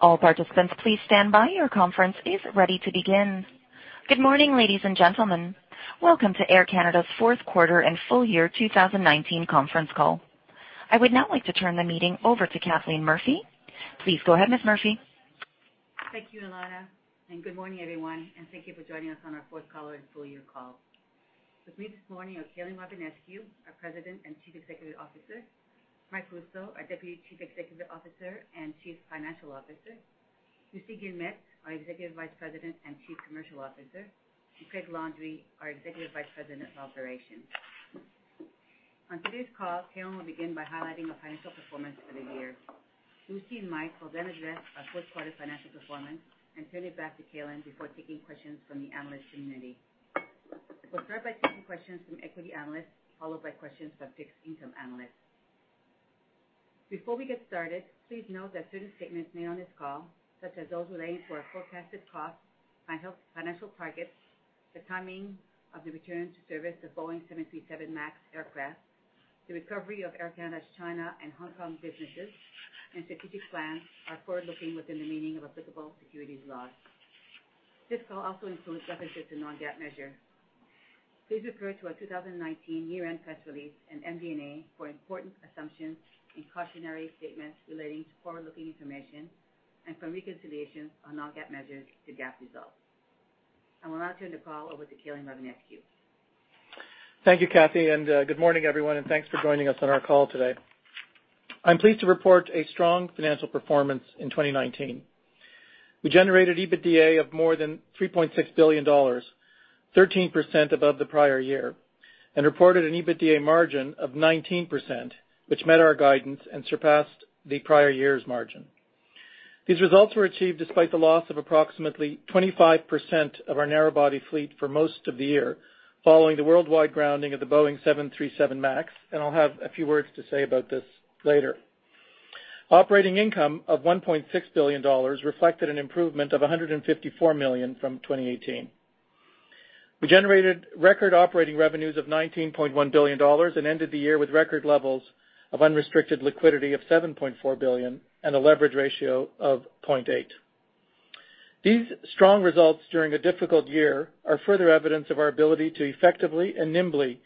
All participants, please stand by. Your conference is ready to begin. Good morning, ladies and gentlemen. Welcome to Air Canada's fourth quarter and full year 2019 conference call. I would now like to turn the meeting over to Kathleen Murphy. Please go ahead, Ms. Murphy. Thank you, Elena, and good morning, everyone, and thank you for joining us on our fourth quarter and full year call. With me this morning are Calin Rovinescu, our President and Chief Executive Officer, Mike Rousseau, our Deputy Chief Executive Officer and Chief Financial Officer, Lucie Guillemette, our Executive Vice President and Chief Commercial Officer, and Craig Landry, our Executive Vice President of Operations. On today's call, Calin will begin by highlighting the financial performance for the year. Lucie and Mike will address our fourth-quarter financial performance and turn it back to Calin before taking questions from the analyst community. We will start by taking questions from equity analysts, followed by questions from fixed income analysts. Before we get started, please note that certain statements made on this call, such as those relating to our forecasted costs and financial targets, the timing of the return to service of Boeing 737 MAX aircraft, the recovery of Air Canada's China and Hong Kong businesses, and strategic plans, are forward-looking within the meaning of applicable securities laws. This call also includes references to non-GAAP measures. Please refer to our 2019 year-end press release and MD&A for important assumptions and cautionary statements relating to forward-looking information and for reconciliations on non-GAAP measures to GAAP results. I will now turn the call over to Calin Rovinescu. Thank you, Kathy, good morning, everyone, and thanks for joining us on our call today. I'm pleased to report a strong financial performance in 2019. We generated EBITDA of more than 3.6 billion dollars, 13% above the prior year, and reported an EBITDA margin of 19%, which met our guidance and surpassed the prior year's margin. These results were achieved despite the loss of approximately 25% of our narrow-body fleet for most of the year, following the worldwide grounding of the Boeing 737 MAX. I'll have a few words to say about this later. Operating income of 1.6 billion dollars reflected an improvement of 154 million from 2018. We generated record operating revenues of 19.1 billion dollars and ended the year with record levels of unrestricted liquidity of 7.4 billion and a leverage ratio of 0.8. These strong results during a difficult year are further evidence of our ability to effectively and nimbly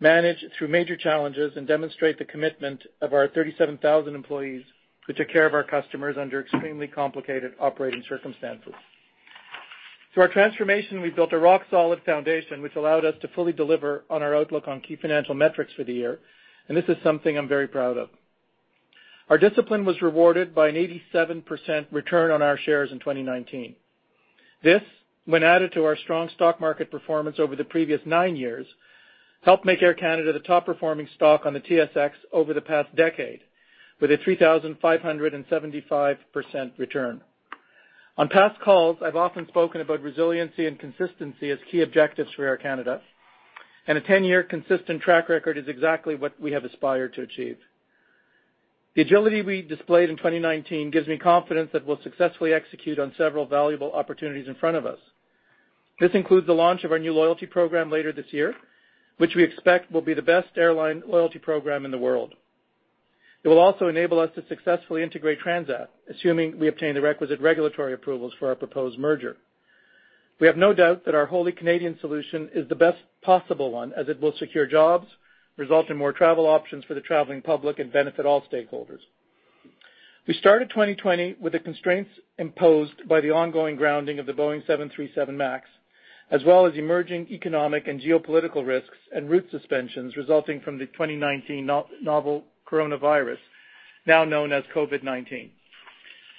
manage through major challenges and demonstrate the commitment of our 37,000 employees who took care of our customers under extremely complicated operating circumstances. Through our transformation, we've built a rock-solid foundation, which allowed us to fully deliver on our outlook on key financial metrics for the year. This is something I'm very proud of. Our discipline was rewarded by an 87% return on our shares in 2019. This, when added to our strong stock market performance over the previous nine years, helped make Air Canada the top-performing stock on the TSX over the past decade, with a 3,575% return. On past calls, I've often spoken about resiliency and consistency as key objectives for Air Canada. A 10-year consistent track record is exactly what we have aspired to achieve. The agility we displayed in 2019 gives me confidence that we'll successfully execute on several valuable opportunities in front of us. This includes the launch of our new loyalty program later this year, which we expect will be the best airline loyalty program in the world. It will also enable us to successfully integrate Transat, assuming we obtain the requisite regulatory approvals for our proposed merger. We have no doubt that our wholly Canadian solution is the best possible one, as it will secure jobs, result in more travel options for the traveling public, and benefit all stakeholders. We started 2020 with the constraints imposed by the ongoing grounding of the Boeing 737 MAX, as well as emerging economic and geopolitical risks and route suspensions resulting from the 2019 novel coronavirus, now known as COVID-19.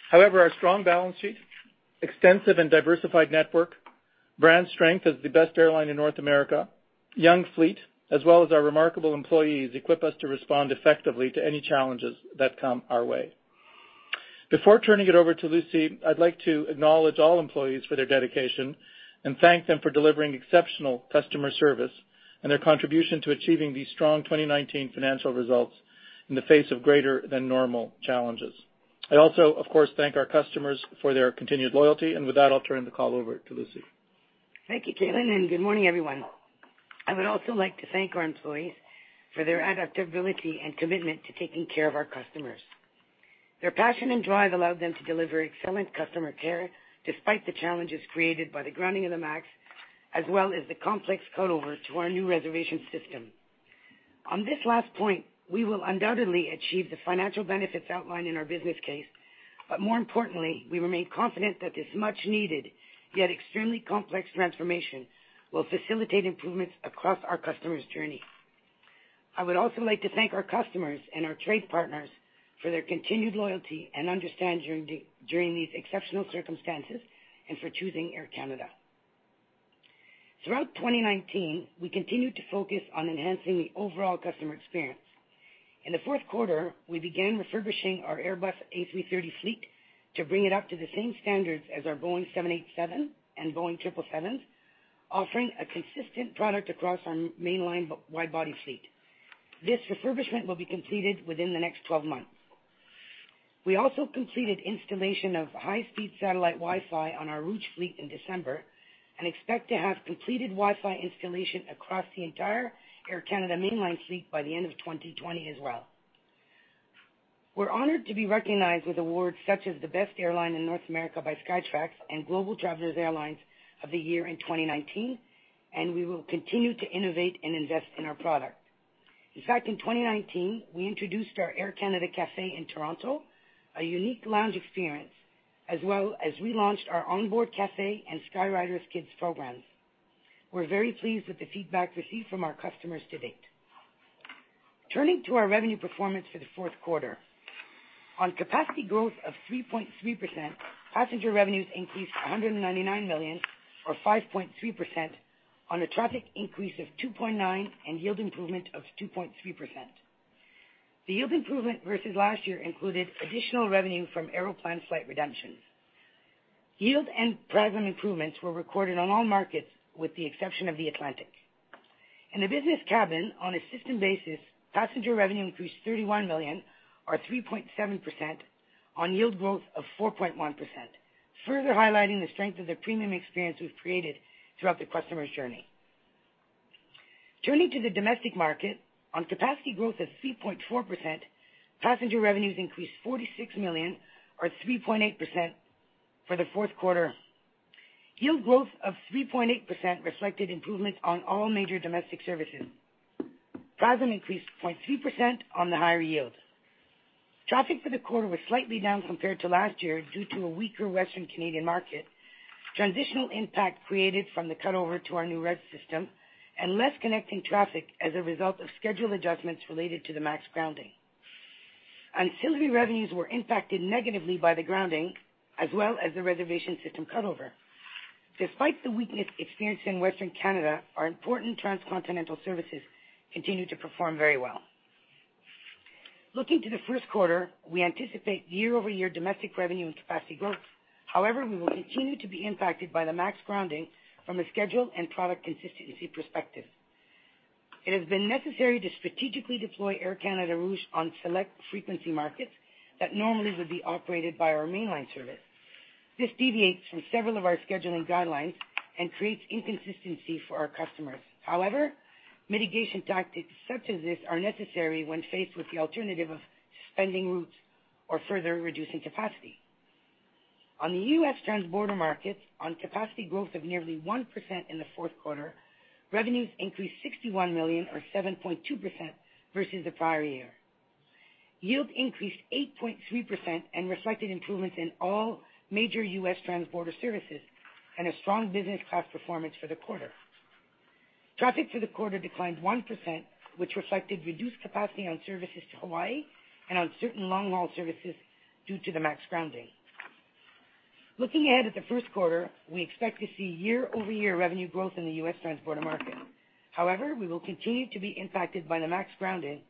However, our strong balance sheet, extensive and diversified network, brand strength as the best airline in North America, young fleet, as well as our remarkable employees equip us to respond effectively to any challenges that come our way. Before turning it over to Lucie, I'd like to acknowledge all employees for their dedication and thank them for delivering exceptional customer service and their contribution to achieving these strong 2019 financial results in the face of greater than normal challenges. I also, of course, thank our customers for their continued loyalty. With that, I'll turn the call over to Lucie. Thank you, Calin, and good morning, everyone. I would also like to thank our employees for their adaptability and commitment to taking care of our customers. Their passion and drive allowed them to deliver excellent customer care despite the challenges created by the grounding of the MAX, as well as the complex cutover to our new reservation system. On this last point, we will undoubtedly achieve the financial benefits outlined in our business case, but more importantly, we remain confident that this much-needed, yet extremely complex transformation will facilitate improvements across our customers' journey. I would also like to thank our customers and our trade partners for their continued loyalty and understanding during these exceptional circumstances and for choosing Air Canada. Throughout 2019, we continued to focus on enhancing the overall customer experience. In the fourth quarter, we began refurbishing our Airbus A330 fleet to bring it up to the same standards as our Boeing 787 and Boeing 777s, offering a consistent product across our mainline wide-body fleet. This refurbishment will be completed within the next 12 months. We also completed installation of high-speed satellite Wi-Fi on our Rouge fleet in December and expect to have completed Wi-Fi installation across the entire Air Canada mainline fleet by the end of 2020 as well. We're honored to be recognized with awards such as the Best Airline in North America by Skytrax and Global Traveler's Airlines of the Year in 2019. We will continue to innovate and invest in our product. In fact, in 2019, we introduced our Air Canada Café in Toronto, a unique lounge experience, as well as we launched our onboard café and SkyRiders kids programs. We're very pleased with the feedback received from our customers to date. Turning to our revenue performance for the fourth quarter. On capacity growth of 3.3%, passenger revenues increased 199 million, or 5.3%, on a traffic increase of 2.9% and yield improvement of 2.3%. The yield improvement versus last year included additional revenue from Aeroplan flight redemptions. Yield and PRASM improvements were recorded on all markets, with the exception of the Atlantic. In the business cabin on a system basis, passenger revenue increased 31 million, or 3.7%, on yield growth of 4.1%, further highlighting the strength of the premium experience we've created throughout the customer's journey. Turning to the domestic market, on capacity growth of 3.4%, passenger revenues increased 46 million, or 3.8%, for the fourth quarter. Yield growth of 3.8% reflected improvements on all major domestic services. PRASM increased 0.3% on the higher yield. Traffic for the quarter was slightly down compared to last year due to a weaker Western Canadian market, transitional impact created from the cutover to our new RES system, and less connecting traffic as a result of schedule adjustments related to the MAX grounding. Ancillary revenues were impacted negatively by the grounding as well as the reservation system cutover. Despite the weakness experienced in Western Canada, our important transcontinental services continued to perform very well. Looking to the first quarter, we anticipate year-over-year domestic revenue and capacity growth. However, we will continue to be impacted by the MAX grounding from a schedule and product consistency perspective. It has been necessary to strategically deploy Air Canada Rouge on select frequency markets that normally would be operated by our mainline service. This deviates from several of our scheduling guidelines and creates inconsistency for our customers. However, mitigation tactics such as this are necessary when faced with the alternative of suspending routes or further reducing capacity. On the U.S. transborder markets, on capacity growth of nearly 1% in the fourth quarter, revenues increased 61 million, or 7.2%, versus the prior year. Yield increased 8.3% and reflected improvements in all major U.S. transborder services and a strong business class performance for the quarter. Traffic for the quarter declined 1%, which reflected reduced capacity on services to Hawaii and on certain long-haul services due to the MAX grounding. Looking ahead at the first quarter, we expect to see year-over-year revenue growth in the U.S. transborder market. However, we will continue to be impacted by the MAX grounding,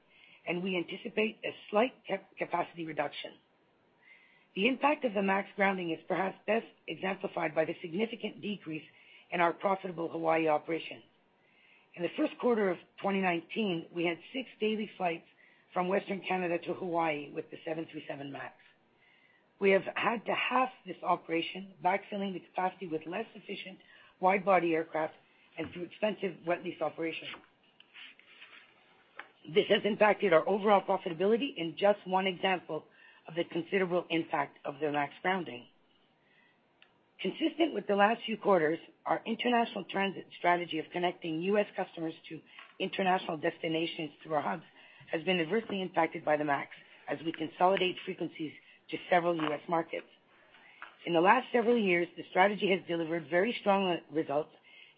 and we anticipate a slight capacity reduction. The impact of the MAX grounding is perhaps best exemplified by the significant decrease in our profitable Hawaii operation. In the first quarter of 2019, we had six daily flights from Western Canada to Hawaii with the 737 MAX. We have had to halve this operation by filling the capacity with less efficient wide-body aircraft and through expensive wet lease operations. This has impacted our overall profitability in just one example of the considerable impact of the MAX grounding. Consistent with the last few quarters, our international transit strategy of connecting U.S. customers to international destinations through our hubs has been adversely impacted by the MAX as we consolidate frequencies to several U.S. markets. In the last several years, the strategy has delivered very strong results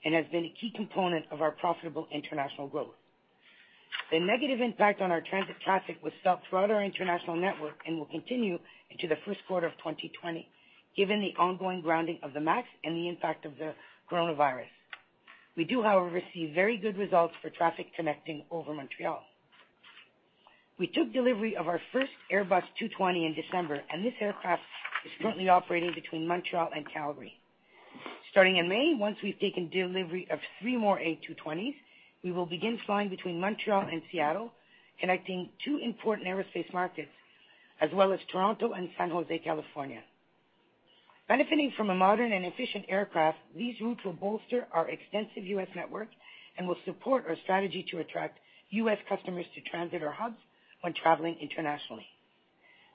and has been a key component of our profitable international growth. The negative impact on our transit traffic was felt throughout our international network and will continue into the first quarter of 2020, given the ongoing grounding of the MAX and the impact of the coronavirus. We do, however, see very good results for traffic connecting over Montreal. We took delivery of our first Airbus A220 in December, and this aircraft is currently operating between Montreal and Calgary. Starting in May, once we've taken delivery of three more A220s, we will begin flying between Montreal and Seattle, connecting two important aerospace markets, as well as Toronto and San Jose, California. Benefiting from a modern and efficient aircraft, these routes will bolster our extensive U.S. network and will support our strategy to attract U.S. customers to transit our hubs when traveling internationally.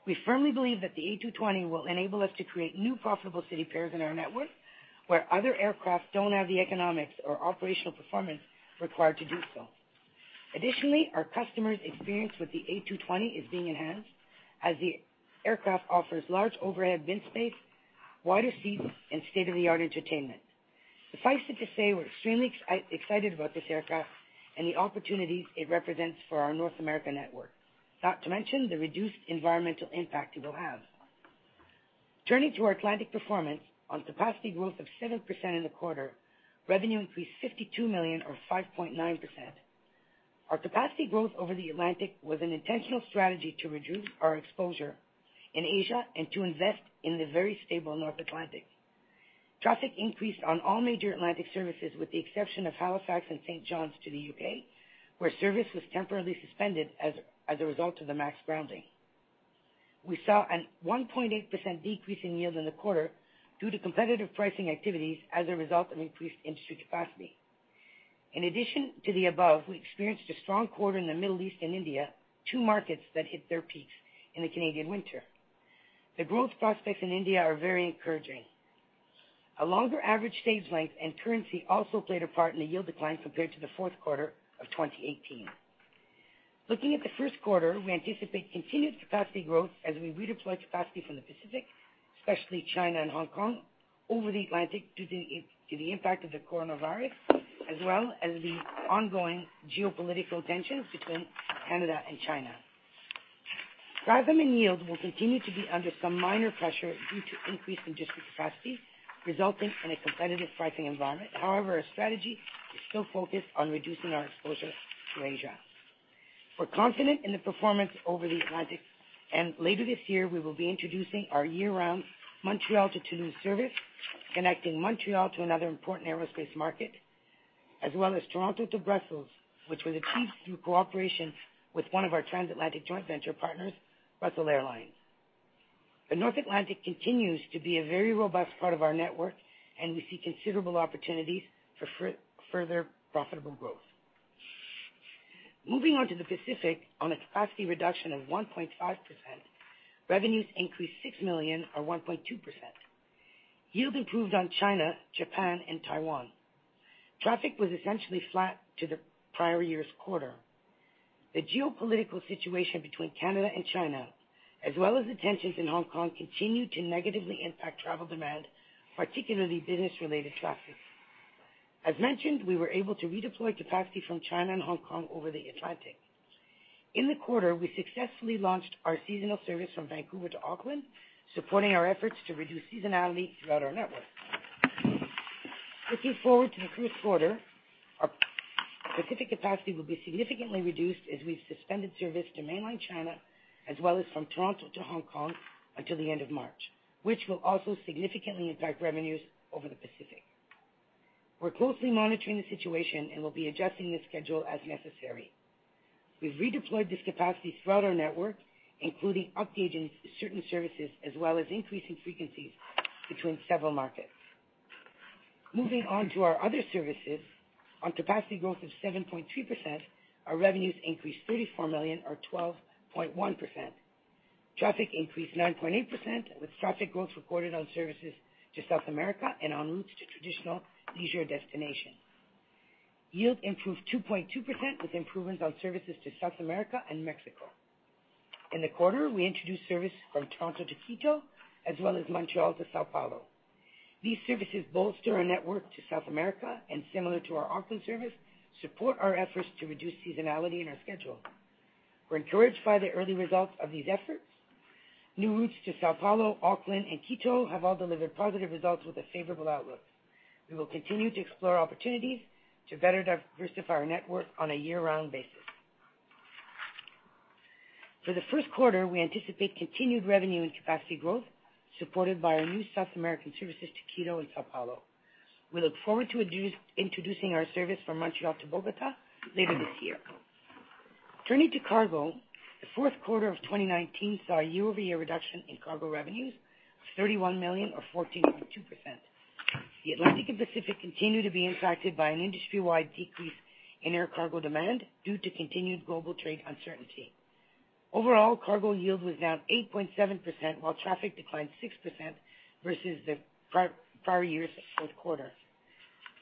We firmly believe that the A220 will enable us to create new profitable city pairs in our network where other aircraft don't have the economics or operational performance required to do so. Additionally, our customer's experience with the A220 is being enhanced as the aircraft offers large overhead bin space, wider seats, and state-of-the-art entertainment. Suffice it to say, we're extremely excited about this aircraft and the opportunities it represents for our North American network, not to mention the reduced environmental impact it will have. Turning to our Atlantic performance, on capacity growth of 7% in the quarter, revenue increased 52 million, or 5.9%. Our capacity growth over the Atlantic was an intentional strategy to reduce our exposure in Asia and to invest in the very stable North Atlantic. Traffic increased on all major Atlantic services with the exception of Halifax and St. John's to the U.K., where service was temporarily suspended as a result of the MAX grounding. We saw a 1.8% decrease in yield in the quarter due to competitive pricing activities as a result of increased industry capacity.In addition to the above, we experienced a strong quarter in the Middle East and India, two markets that hit their peaks in the Canadian winter. The growth prospects in India are very encouraging. A longer average stage length and currency also played a part in the yield decline compared to the fourth quarter of 2018. Looking at the first quarter, we anticipate continued capacity growth as we redeploy capacity from the Pacific, especially China and Hong Kong, over the Atlantic due to the impact of the coronavirus, as well as the ongoing geopolitical tensions between Canada and China. Revenue and yield will continue to be under some minor pressure due to increase in domestic capacity, resulting in a competitive pricing environment. However, our strategy is still focused on reducing our exposure to Asia. We're confident in the performance over the Atlantic, and later this year, we will be introducing our year-round Montreal to Tunis service, connecting Montreal to another important aerospace market, as well as Toronto to Brussels, which was achieved through cooperation with one of our transatlantic joint venture partners, Brussels Airlines. The North Atlantic continues to be a very robust part of our network. We see considerable opportunities for further profitable growth. Moving on to the Pacific, on a capacity reduction of 1.5%, revenues increased 6 million or 1.2%. Yield improved on China, Japan, and Taiwan. Traffic was essentially flat to the prior year's quarter. The geopolitical situation between Canada and China, as well as the tensions in Hong Kong, continued to negatively impact travel demand, particularly business-related traffic. As mentioned, we were able to redeploy capacity from China and Hong Kong over the Atlantic. In the quarter, we successfully launched our seasonal service from Vancouver to Auckland, supporting our efforts to reduce seasonality throughout our network. Looking forward to the first quarter, our Pacific capacity will be significantly reduced as we've suspended service to mainland China as well as from Toronto to Hong Kong until the end of March, which will also significantly impact revenues over the Pacific. We're closely monitoring the situation and will be adjusting the schedule as necessary. We've redeployed this capacity throughout our network, including upgauging certain services, as well as increasing frequencies between several markets. Moving on to our other services, on capacity growth of 7.3%, our revenues increased 34 million or 12.1%. Traffic increased 9.8%, with traffic growth recorded on services to South America and on routes to traditional leisure destinations. Yield improved 2.2%, with improvements on services to South America and Mexico. In the quarter, we introduced service from Toronto to Quito, as well as Montreal to São Paulo. These services bolster our network to South America and, similar to our Auckland service, support our efforts to reduce seasonality in our schedule. We're encouraged by the early results of these efforts. New routes to São Paulo, Auckland, and Quito have all delivered positive results with a favorable outlook. We will continue to explore opportunities to better diversify our network on a year-round basis. For the first quarter, we anticipate continued revenue and capacity growth, supported by our new South American services to Quito and São Paulo. We look forward to introducing our service from Montreal to Bogotá later this year. Turning to cargo, the fourth quarter of 2019 saw a year-over-year reduction in cargo revenues of 31 million or 14.2%. The Atlantic and Pacific continue to be impacted by an industry-wide decrease in air cargo demand due to continued global trade uncertainty. Overall, cargo yield was down 8.7%, while traffic declined 6% versus the prior year's fourth quarter.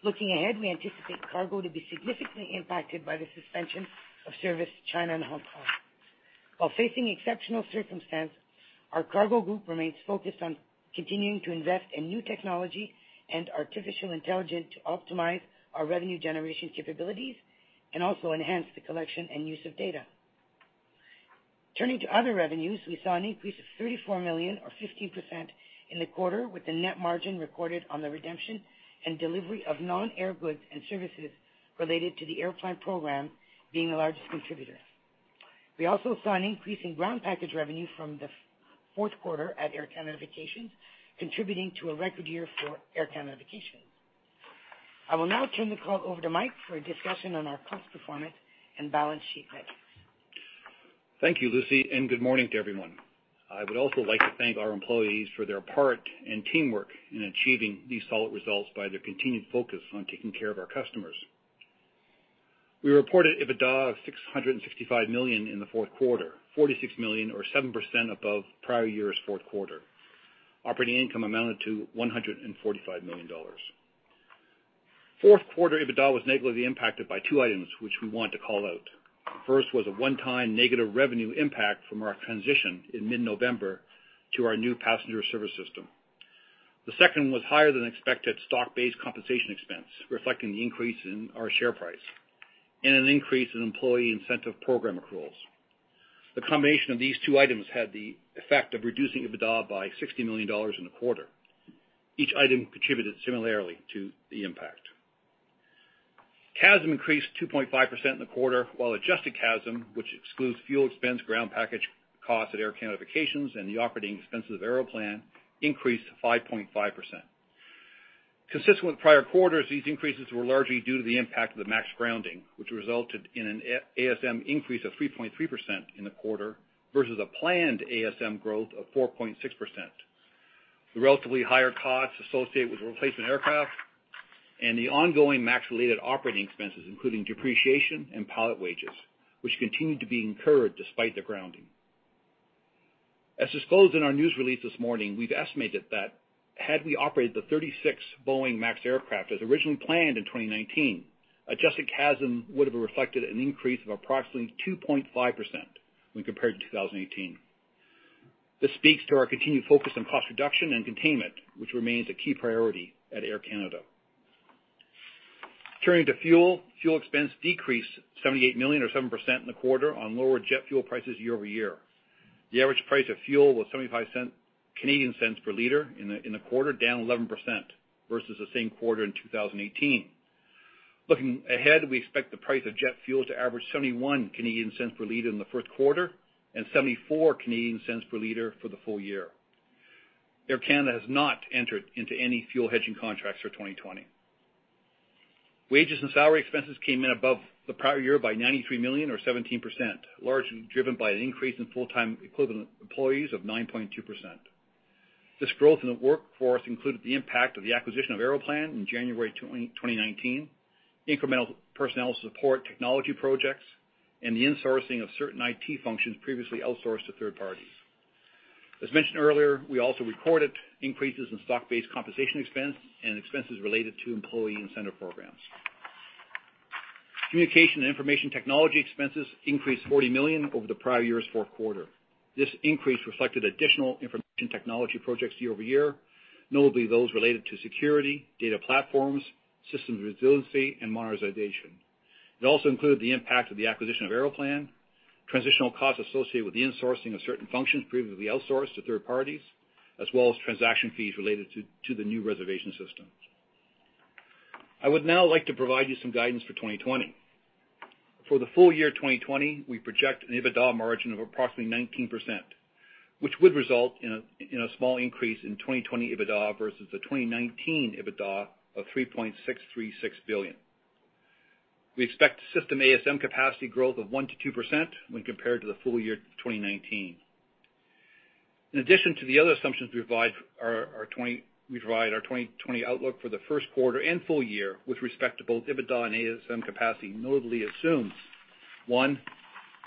Looking ahead, we anticipate cargo to be significantly impacted by the suspension of service to China and Hong Kong. While facing exceptional circumstance, our cargo group remains focused on continuing to invest in new technology and artificial intelligence to optimize our revenue generation capabilities and also enhance the collection and use of data. Turning to other revenues, we saw an increase of 34 million or 15% in the quarter, with the net margin recorded on the redemption and delivery of non-air goods and services related to the Aeroplan program being the largest contributor. We also saw an increase in ground package revenue from the fourth quarter at Air Canada Vacations, contributing to a record year for Air Canada Vacations. I will now turn the call over to Mike for a discussion on our cost performance and balance sheet. Thank you, Lucie. Good morning to everyone. I would also like to thank our employees for their part and teamwork in achieving these solid results by their continued focus on taking care of our customers. We reported EBITDA of 665 million in the fourth quarter, 46 million or 7% above prior year's fourth quarter. Operating income amounted to 145 million dollars. Fourth quarter EBITDA was negatively impacted by two items, which we want to call out. First was a one-time negative revenue impact from our transition in mid-November to our new passenger service system. The second was higher than expected stock-based compensation expense, reflecting the increase in our share price and an increase in employee incentive program accruals. The combination of these two items had the effect of reducing EBITDA by 60 million dollars in the quarter. Each item contributed similarly to the impact. CASM increased 2.5% in the quarter, while adjusted CASM, which excludes fuel expense, ground package costs at Air Canada Vacations, and the operating expenses of Aeroplan, increased 5.5%. Consistent with prior quarters, these increases were largely due to the impact of the MAX grounding, which resulted in an ASM increase of 3.3% in the quarter versus a planned ASM growth of 4.6%, and the relatively higher costs associated with replacement aircraft and the ongoing MAX-related operating expenses, including depreciation and pilot wages, which continued to be incurred despite the grounding. As disclosed in our news release this morning, we've estimated that had we operated the 36 Boeing MAX aircraft as originally planned in 2019, adjusted CASM would have reflected an increase of approximately 2.5% when compared to 2018. This speaks to our continued focus on cost reduction and containment, which remains a key priority at Air Canada. Turning to fuel. Fuel expense decreased 78 million or 7% in the quarter on lower jet fuel prices year-over-year. The average price of fuel was 0.75 per liter in the quarter, down 11% versus the same quarter in 2018. Looking ahead, we expect the price of jet fuel to average 0.71 per liter in the first quarter and 0.74 per liter for the full year. Air Canada has not entered into any fuel hedging contracts for 2020. Wages and salary expenses came in above the prior year by 93 million or 17%, largely driven by an increase in full-time equivalent employees of 9.2%. This growth in the workforce included the impact of the acquisition of Aeroplan in January 2019, incremental personnel to support technology projects, and the insourcing of certain IT functions previously outsourced to third parties. As mentioned earlier, we also recorded increases in stock-based compensation expense and expenses related to employee incentive programs. Communication and information technology expenses increased 40 million over the prior year's fourth quarter. This increase reflected additional information technology projects year over year, notably those related to security, data platforms, systems resiliency, and monetization. It also included the impact of the acquisition of Aeroplan, transitional costs associated with the insourcing of certain functions previously outsourced to third parties, as well as transaction fees related to the new reservation system. I would now like to provide you some guidance for 2020. For the full year 2020, we project an EBITDA margin of approximately 19%, which would result in a small increase in 2020 EBITDA versus the 2019 EBITDA of 3.636 billion. We expect system ASM capacity growth of 1%-2% when compared to the full year 2019. In addition to the other assumptions we provide our 2020 outlook for the first quarter and full year with respect to both EBITDA and ASM capacity notably assumes, one,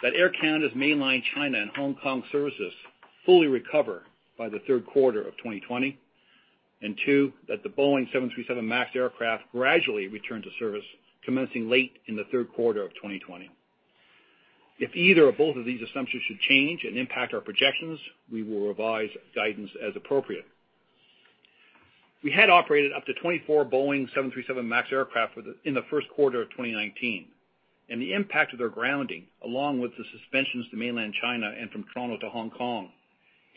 that Air Canada's Mainland China and Hong Kong services fully recover by the third quarter of 2020, and two, that the Boeing 737 MAX aircraft gradually return to service commencing late in the third quarter of 2020. If either or both of these assumptions should change and impact our projections, we will revise guidance as appropriate. We had operated up to 24 Boeing 737 MAX aircraft in the first quarter of 2019. The impact of their grounding, along with the suspensions to Mainland China and from Toronto to Hong Kong,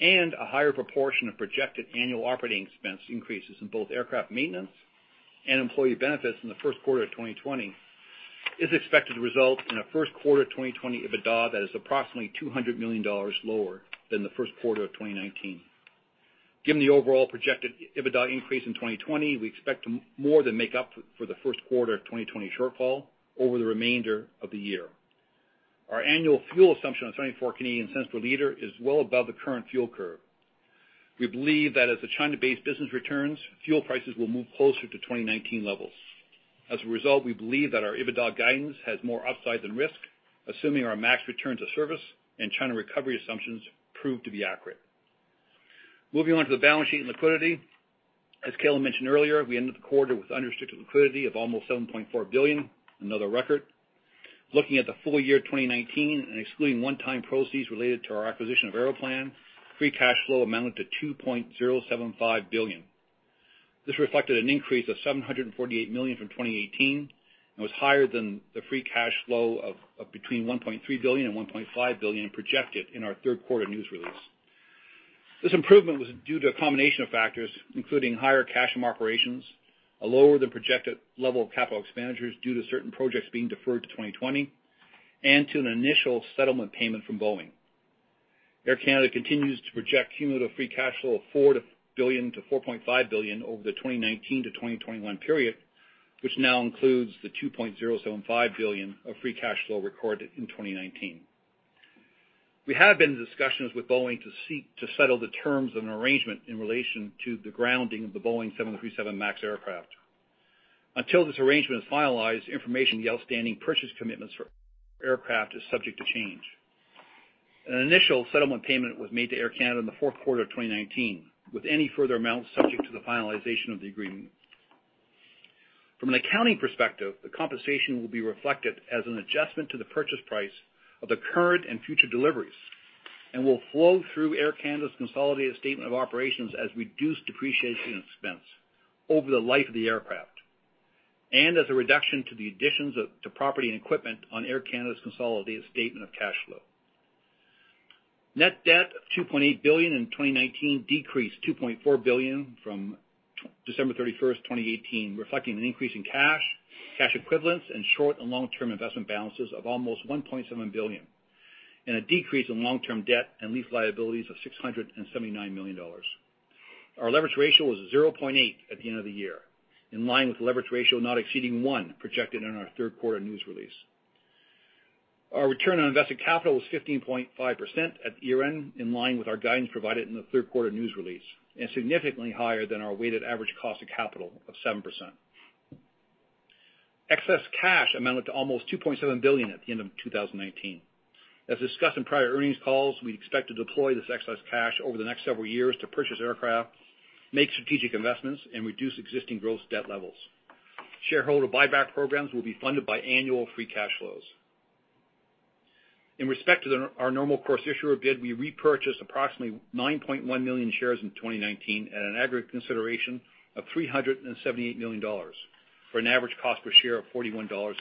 and a higher proportion of projected annual operating expense increases in both aircraft maintenance and employee benefits in the first quarter of 2020, is expected to result in a first quarter 2020 EBITDA that is approximately 200 million dollars lower than the first quarter of 2019. Given the overall projected EBITDA increase in 2020, we expect to more than make up for the first quarter of 2020 shortfall over the remainder of the year. Our annual fuel assumption of 0.74 per liter is well above the current fuel curve. We believe that as the China-based business returns, fuel prices will move closer to 2019 levels. As a result, we believe that our EBITDA guidance has more upside than risk, assuming our MAX return to service and China recovery assumptions prove to be accurate. Moving on to the balance sheet and liquidity. As Calin mentioned earlier, we ended the quarter with unrestricted liquidity of almost 7.4 billion, another record. Looking at the full year 2019 and excluding one-time proceeds related to our acquisition of Aeroplan, free cash flow amounted to 2.075 billion. This reflected an increase of 748 million from 2018 and was higher than the free cash flow of between 1.3 billion and 1.5 billion projected in our third quarter news release. This improvement was due to a combination of factors, including higher cash from operations, a lower than projected level of capital expenditures due to certain projects being deferred to 2020, and to an initial settlement payment from Boeing. Air Canada continues to project cumulative free cash flow of 4 billion-4.5 billion over the 2019-2021 period, which now includes the 2.075 billion of free cash flow recorded in 2019. We have been in discussions with Boeing to settle the terms of an arrangement in relation to the grounding of the Boeing 737 MAX aircraft. Until this arrangement is finalized, information on the outstanding purchase commitments for aircraft is subject to change. An initial settlement payment was made to Air Canada in the fourth quarter of 2019, with any further amounts subject to the finalization of the agreement. From an accounting perspective, the compensation will be reflected as an adjustment to the purchase price of the current and future deliveries and will flow through Air Canada's consolidated statement of operations as reduced depreciation expense over the life of the aircraft, and as a reduction to the additions to property and equipment on Air Canada's consolidated statement of cash flow. Net debt of 2.8 billion in 2019 decreased 2.4 billion from December 31st, 2018, reflecting an increase in cash equivalents, and short and long-term investment balances of almost 1.7 billion, and a decrease in long-term debt and lease liabilities of 679 million dollars. Our leverage ratio was 0.8 at the end of the year, in line with the leverage ratio not exceeding one projected in our third quarter news release. Our Return on Invested Capital was 15.5% at the year-end, in line with our guidance provided in the third quarter news release, and significantly higher than our Weighted Average Cost of Capital of 7%. Excess cash amounted to almost 2.7 billion at the end of 2019. As discussed in prior earnings calls, we expect to deploy this excess cash over the next several years to purchase aircraft, make strategic investments, and reduce existing gross debt levels. Shareholder buyback programs will be funded by annual free cash flows. In respect to our Normal Course Issuer Bid, we repurchased approximately 9.1 million shares in 2019 at an aggregate consideration of 378 million dollars, for an average cost per share of 41.64 dollars.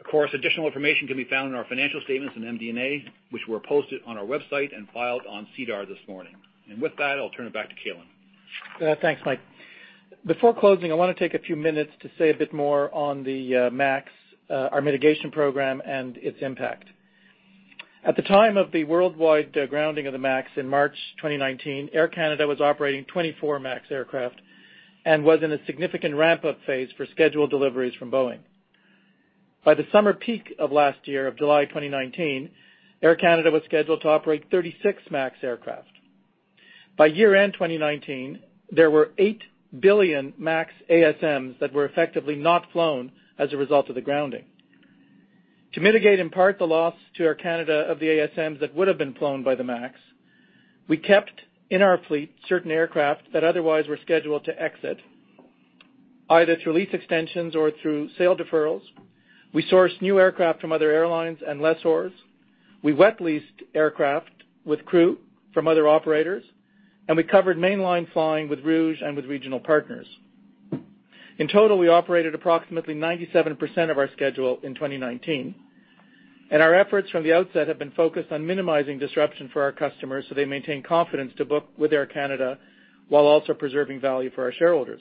Of course, additional information can be found in our financial statements and MD&A, which were posted on our website and filed on SEDAR this morning. With that, I'll turn it back to Calin. Thanks, Mike. Before closing, I want to take a few minutes to say a bit more on the MAX, our mitigation program, and its impact. At the time of the worldwide grounding of the MAX in March 2019, Air Canada was operating 24 MAX aircraft and was in a significant ramp-up phase for scheduled deliveries from Boeing. By the summer peak of last year, of July 2019, Air Canada was scheduled to operate 36 MAX aircraft. By year-end 2019, there were 8 billion MAX ASMs that were effectively not flown as a result of the grounding. To mitigate, in part, the loss to Air Canada of the ASMs that would've been flown by the MAX, we kept in our fleet certain aircraft that otherwise were scheduled to exit, either through lease extensions or through sale deferrals. We sourced new aircraft from other airlines and lessors. We wet leased aircraft with crew from other operators. We covered mainline flying with Rouge and with regional partners. In total, we operated approximately 97% of our schedule in 2019. Our efforts from the outset have been focused on minimizing disruption for our customers so they maintain confidence to book with Air Canada while also preserving value for our shareholders.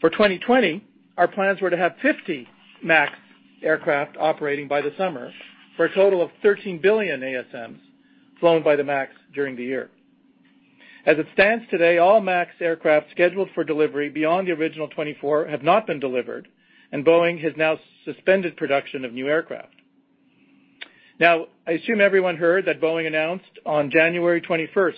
For 2020, our plans were to have 50 MAX aircraft operating by the summer for a total of 13 billion ASMs flown by the MAX during the year. As it stands today, all MAX aircraft scheduled for delivery beyond the original 24 have not been delivered. Boeing has now suspended production of new aircraft. I assume everyone heard that Boeing announced on January 21st,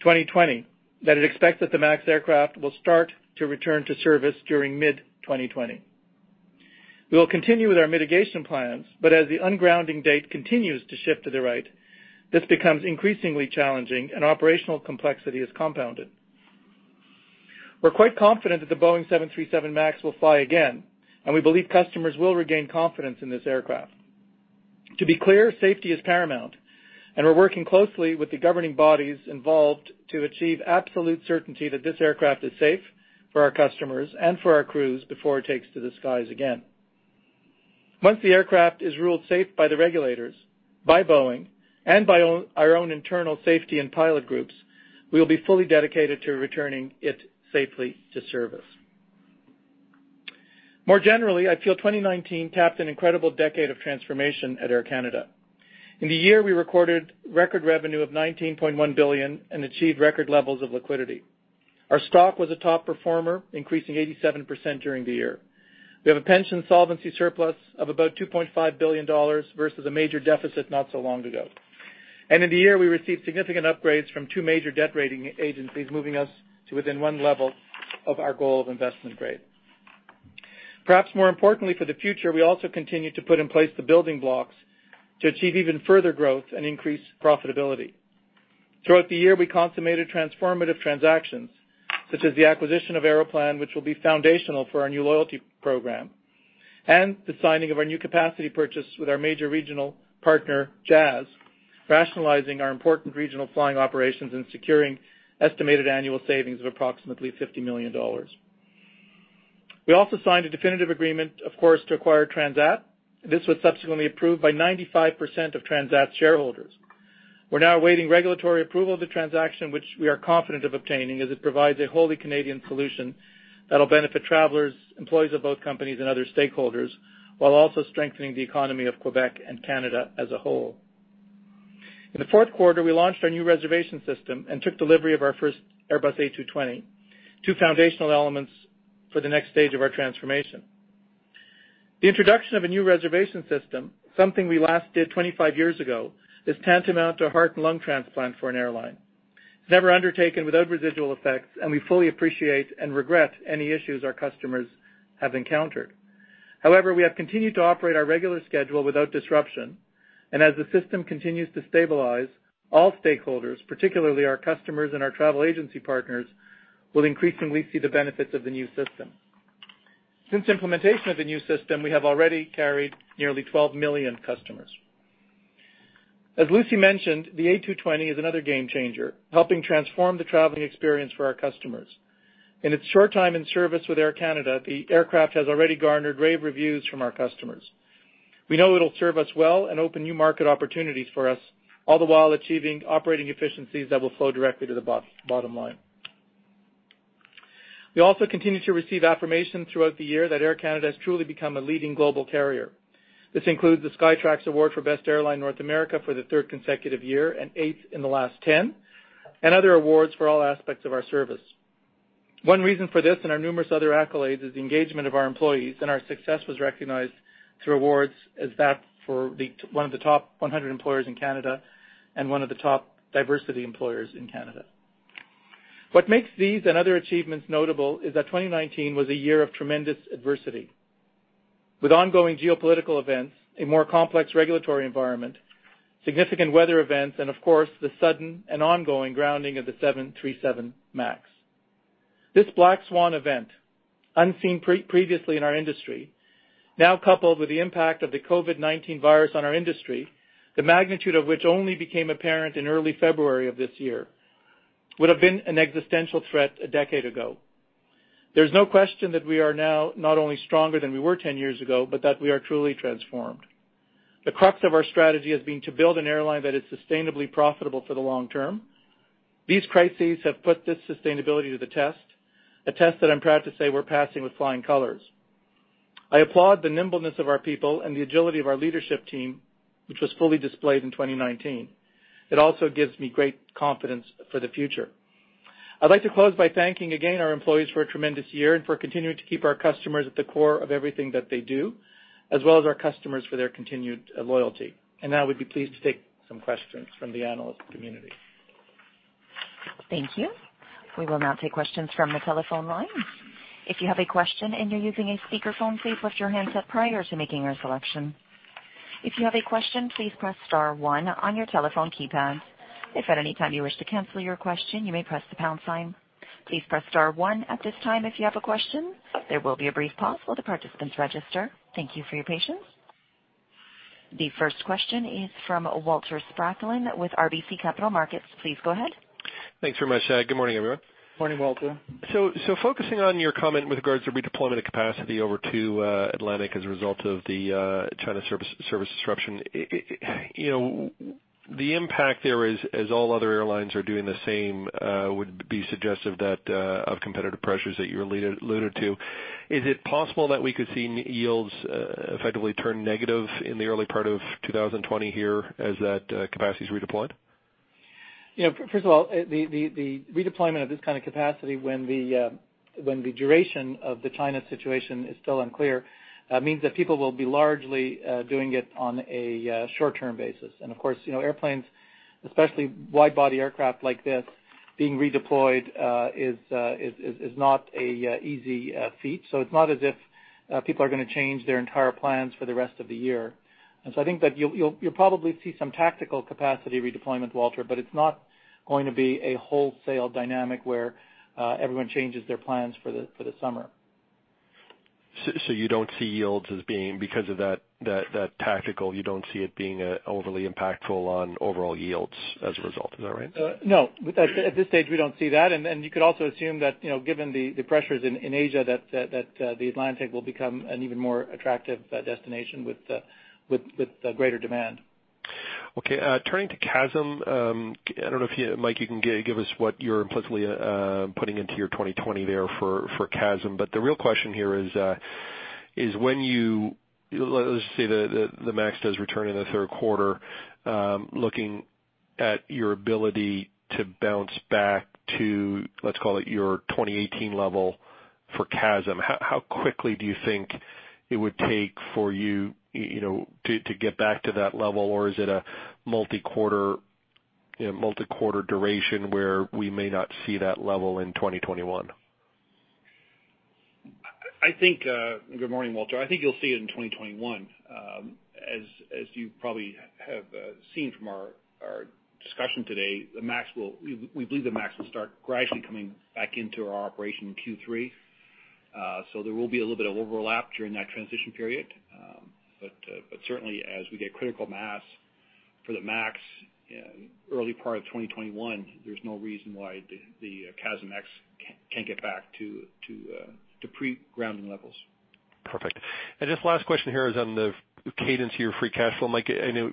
2020, that it expects that the MAX aircraft will start to return to service during mid-2020. We will continue with our mitigation plans, as the ungrounding date continues to shift to the right, this becomes increasingly challenging and operational complexity is compounded. We're quite confident that the Boeing 737 MAX will fly again, we believe customers will regain confidence in this aircraft. To be clear, safety is paramount, we're working closely with the governing bodies involved to achieve absolute certainty that this aircraft is safe for our customers and for our crews before it takes to the skies again. Once the aircraft is ruled safe by the regulators, by Boeing, and by our own internal safety and pilot groups, we will be fully dedicated to returning it safely to service. More generally, I feel 2019 capped an incredible decade of transformation at Air Canada. In the year, we recorded record revenue of 19.1 billion and achieved record levels of liquidity. Our stock was a top performer, increasing 87% during the year. We have a pension solvency surplus of about 2.5 billion dollars versus a major deficit not so long ago. In the year, we received significant upgrades from two major debt rating agencies, moving us to within one level of our goal of investment grade. Perhaps more importantly for the future, we also continue to put in place the building blocks to achieve even further growth and increase profitability. Throughout the year, we consummated transformative transactions, such as the acquisition of Aeroplan, which will be foundational for our new loyalty program, and the signing of our new capacity purchase with our major regional partner, Jazz, rationalizing our important regional flying operations and securing estimated annual savings of approximately 50 million dollars. We also signed a definitive agreement, of course, to acquire Transat. This was subsequently approved by 95% of Transat shareholders. We are now awaiting regulatory approval of the transaction, which we are confident of obtaining, as it provides a wholly Canadian solution that will benefit travelers, employees of both companies, and other stakeholders, while also strengthening the economy of Quebec and Canada as a whole. In the fourth quarter, we launched our new reservation system and took delivery of our first Airbus A220, two foundational elements for the next stage of our transformation. The introduction of a new reservation system, something we last did 25 years ago, is tantamount to a heart and lung transplant for an airline. It's never undertaken without residual effects, and we fully appreciate and regret any issues our customers have encountered. However, we have continued to operate our regular schedule without disruption, and as the system continues to stabilize, all stakeholders, particularly our customers and our travel agency partners, will increasingly see the benefits of the new system. Since implementation of the new system, we have already carried nearly 12 million customers. As Lucie mentioned, the A220 is another game changer, helping transform the traveling experience for our customers. In its short time in service with Air Canada, the aircraft has already garnered rave reviews from our customers. We know it'll serve us well and open new market opportunities for us, all the while achieving operating efficiencies that will flow directly to the bottom line. We also continue to receive affirmation throughout the year that Air Canada has truly become a leading global carrier. This includes the Skytrax award for best airline North America for the third consecutive year, and eighth in the last 10, and other awards for all aspects of our service. One reason for this and our numerous other accolades is the engagement of our employees, and our success was recognized through awards as that for one of the top 100 employers in Canada and one of the top diversity employers in Canada. What makes these and other achievements notable is that 2019 was a year of tremendous adversity. With ongoing geopolitical events, a more complex regulatory environment, significant weather events, and of course, the sudden and ongoing grounding of the 737 MAX. This black swan event, unseen previously in our industry, now coupled with the impact of the COVID-19 virus on our industry, the magnitude of which only became apparent in early February of this year, would have been an existential threat a decade ago. There's no question that we are now not only stronger than we were 10 years ago, but that we are truly transformed. The crux of our strategy has been to build an airline that is sustainably profitable for the long term. These crises have put this sustainability to the test, a test that I'm proud to say we're passing with flying colors. I applaud the nimbleness of our people and the agility of our leadership team, which was fully displayed in 2019. It also gives me great confidence for the future. I'd like to close by thanking again our employees for a tremendous year and for continuing to keep our customers at the core of everything that they do, as well as our customers for their continued loyalty. Now we'd be pleased to take some questions from the analyst community. Thank you. We will now take questions from the telephone lines. If you have a question and you are using a speakerphone, please lift your handset prior to making your selection. If you have a question, please press star one on your telephone keypad. If at any time you wish to cancel your question, you may press the pound sign. Please press star one at this time if you have a question. There will be a brief pause while the participants register. Thank you for your patience. The first question is from Walter Spracklin with RBC Capital Markets. Please go ahead. Thanks very much. Good morning, everyone. Morning, Walter. Focusing on your comment with regards to redeployment of capacity over to Atlantic as a result of the China service disruption, the impact there is, as all other airlines are doing the same, would be suggestive of competitive pressures that you alluded to. Is it possible that we could see yields effectively turn negative in the early part of 2020 here as that capacity is redeployed? First of all, the redeployment of this kind of capacity when the duration of the China situation is still unclear, means that people will be largely doing it on a short-term basis. Of course, airplanes, especially wide-body aircraft like this, being redeployed is not an easy feat. It's not as if people are going to change their entire plans for the rest of the year. I think that you'll probably see some tactical capacity redeployment, Walter, but it's not going to be a wholesale dynamic where everyone changes their plans for the summer. You don't see yields as being, because of that tactical, you don't see it being overly impactful on overall yields as a result. Is that right? No. At this stage, we don't see that, and you could also assume that given the pressures in Asia, that the Atlantic will become an even more attractive destination with greater demand. Okay. Turning to CASM, I don't know if, Mike, you can give us what you're implicitly putting into your 2020 there for CASM. The real question here is when, let's say the MAX does return in the third quarter, looking at your ability to bounce back to, let's call it your 2018 level for CASM, how quickly do you think it would take for you to get back to that level? Is it a multi-quarter duration where we may not see that level in 2021? Good morning, Walter. I think you'll see it in 2021. As you probably have seen from our discussion today, we believe the MAX will start gradually coming back into our operation in Q3. There will be a little bit of overlap during that transition period. Certainly, as we get critical mass for the MAX early part of 2021, there's no reason why the CASM-ex can't get back to pre-grounding levels. Perfect. This last question here is on the cadence of your free cash flow. Mike, I know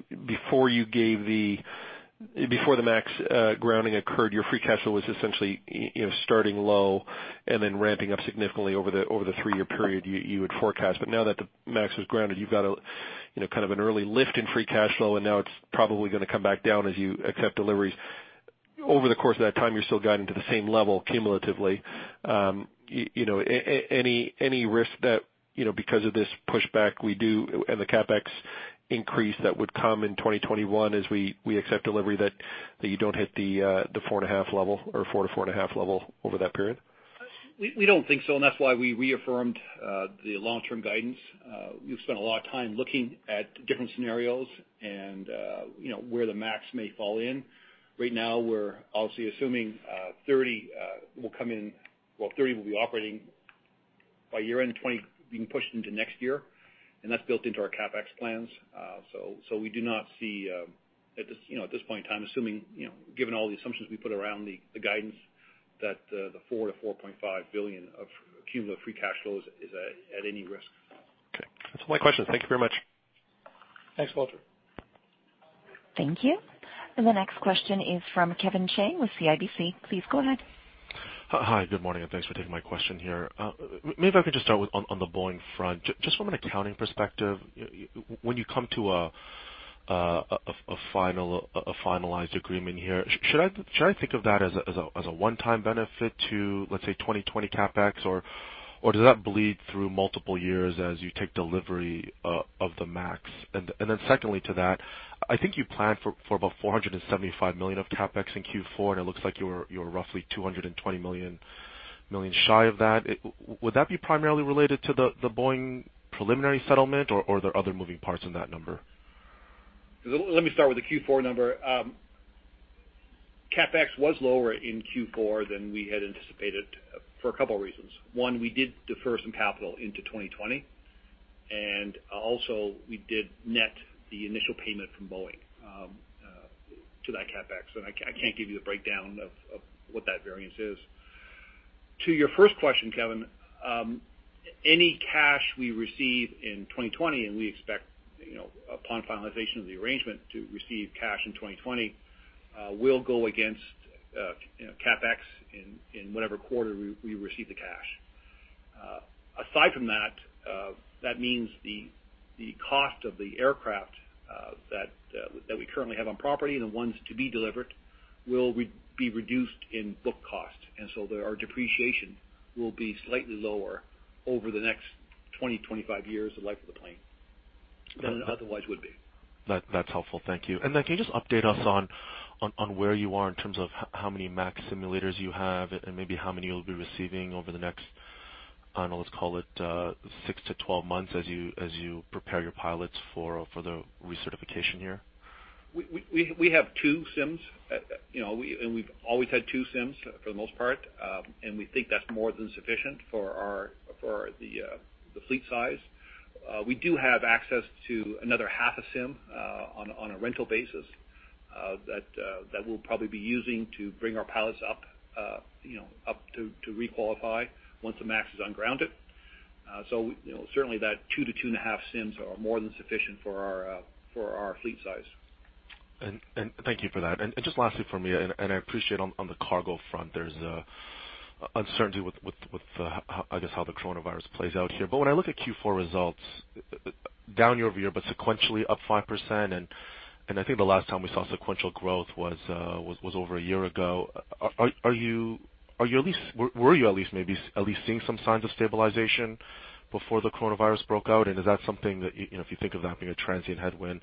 before the MAX grounding occurred, your free cash flow was essentially starting low and then ramping up significantly over the three-year period you had forecast. Now that the MAX is grounded, you've got a kind of an early lift in free cash flow, and now it's probably going to come back down as you accept deliveries. Over the course of that time, you're still guided to the same level cumulatively. Any risk that because of this pushback we do and the CapEx increase that would come in 2021 as we accept delivery that you don't hit the 4.5 level or 4-4.5 level over that period? We don't think so, and that's why we reaffirmed the long-term guidance. We've spent a lot of time looking at different scenarios and where the MAX may fall in. Right now, we're obviously assuming 30 will be operating by year-end, 20 being pushed into next year, and that's built into our CapEx plans. So we do not see, at this point in time, assuming given all the assumptions we put around the guidance, that the 4 billion-4.5 billion of cumulative free cash flow is at any risk. Okay. That's all my questions. Thank you very much. Thanks, Walter. Thank you. The next question is from Kevin Chiang with CIBC. Please go ahead. Hi. Good morning, thanks for taking my question here. Maybe if I could just start on the Boeing front. Just from an accounting perspective, when you come to a finalized agreement here, should I think of that as a one-time benefit to, let's say, 2020 CapEx, or does that bleed through multiple years as you take delivery of the MAX? Secondly to that, I think you planned for about 475 million of CapEx in Q4, and it looks like you're roughly 220 million shy of that. Would that be primarily related to the Boeing preliminary settlement, or are there other moving parts in that number? Let me start with the Q4 number. CapEx was lower in Q4 than we had anticipated for a couple reasons. One, we did defer some capital into 2020, and also we did net the initial payment from Boeing to that CapEx. I can't give you the breakdown of what that variance is. To your first question, Kevin, any cash we receive in 2020, and we expect upon finalization of the arrangement to receive cash in 2020, will go against CapEx in whatever quarter we receive the cash. Aside from that means the cost of the aircraft that we currently have on property and the ones to be delivered will be reduced in book cost. Our depreciation will be slightly lower over the next 20, 25 years of the life of the plane than it otherwise would be. That's helpful. Thank you. Then can you just update us on where you are in terms of how many MAX simulators you have, and maybe how many you'll be receiving over the next, let's call it 6-12 months as you prepare your pilots for the recertification year? We have two sims. We've always had two sims, for the most part, and we think that's more than sufficient for the fleet size. We do have access to another half a sim on a rental basis that we'll probably be using to bring our pilots up to re-qualify once the MAX is ungrounded. Certainly that two to two and a half sims are more than sufficient for our fleet size. Thank you for that. Just lastly from me, and I appreciate on the cargo front, there's uncertainty with how the coronavirus plays out here. When I look at Q4 results, down year-over-year, but sequentially up 5%, and I think the last time we saw sequential growth was over a year ago. Were you at least maybe seeing some signs of stabilization before the coronavirus broke out? Is that something that, if you think of that being a transient headwind,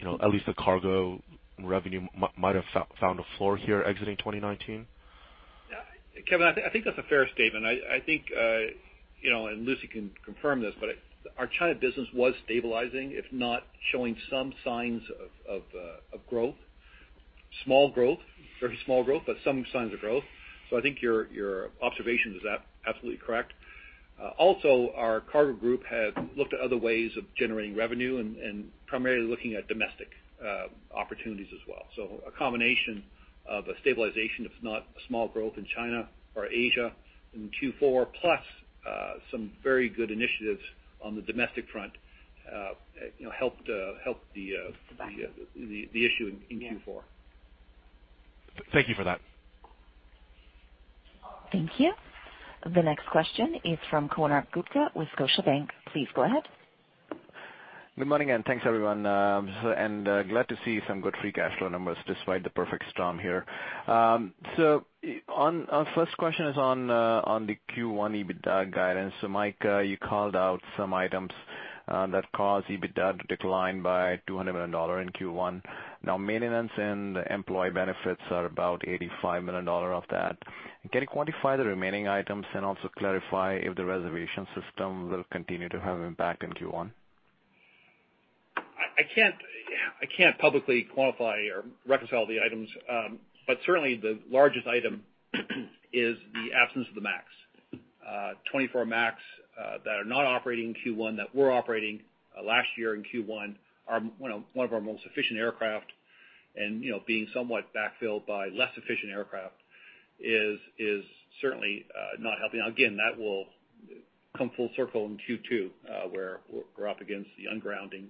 at least the cargo revenue might have found a floor here exiting 2019? Kevin, I think that's a fair statement. I think, and Lucie can confirm this, but our China business was stabilizing, if not showing some signs of growth, small growth, very small growth, but some signs of growth. I think your observation is absolutely correct. Also, our cargo group had looked at other ways of generating revenue and primarily looking at domestic opportunities as well. A combination of a stabilization, if not a small growth in China or Asia in Q4, plus some very good initiatives on the domestic front helped. The back end. The issue in Q4. Thank you for that. Thank you. The next question is from Konark Gupta with Scotiabank. Please go ahead. Good morning, and thanks, everyone. Glad to see some good free cash flow numbers despite the perfect storm here. Our first question is on the Q1 EBITDA guidance. Mike, you called out some items that caused EBITDA to decline by 200 million dollars in Q1. Maintenance and employee benefits are about 85 million dollars of that. Can you quantify the remaining items and also clarify if the reservation system will continue to have impact in Q1? I can't publicly quantify or reconcile the items. Certainly the largest item is the absence of the MAX. 24 MAX that are not operating in Q1, that were operating last year in Q1, are one of our most efficient aircraft, and being somewhat backfilled by less efficient aircraft is certainly not helping. Again, that will come full circle in Q2, where we're up against the ungrounding,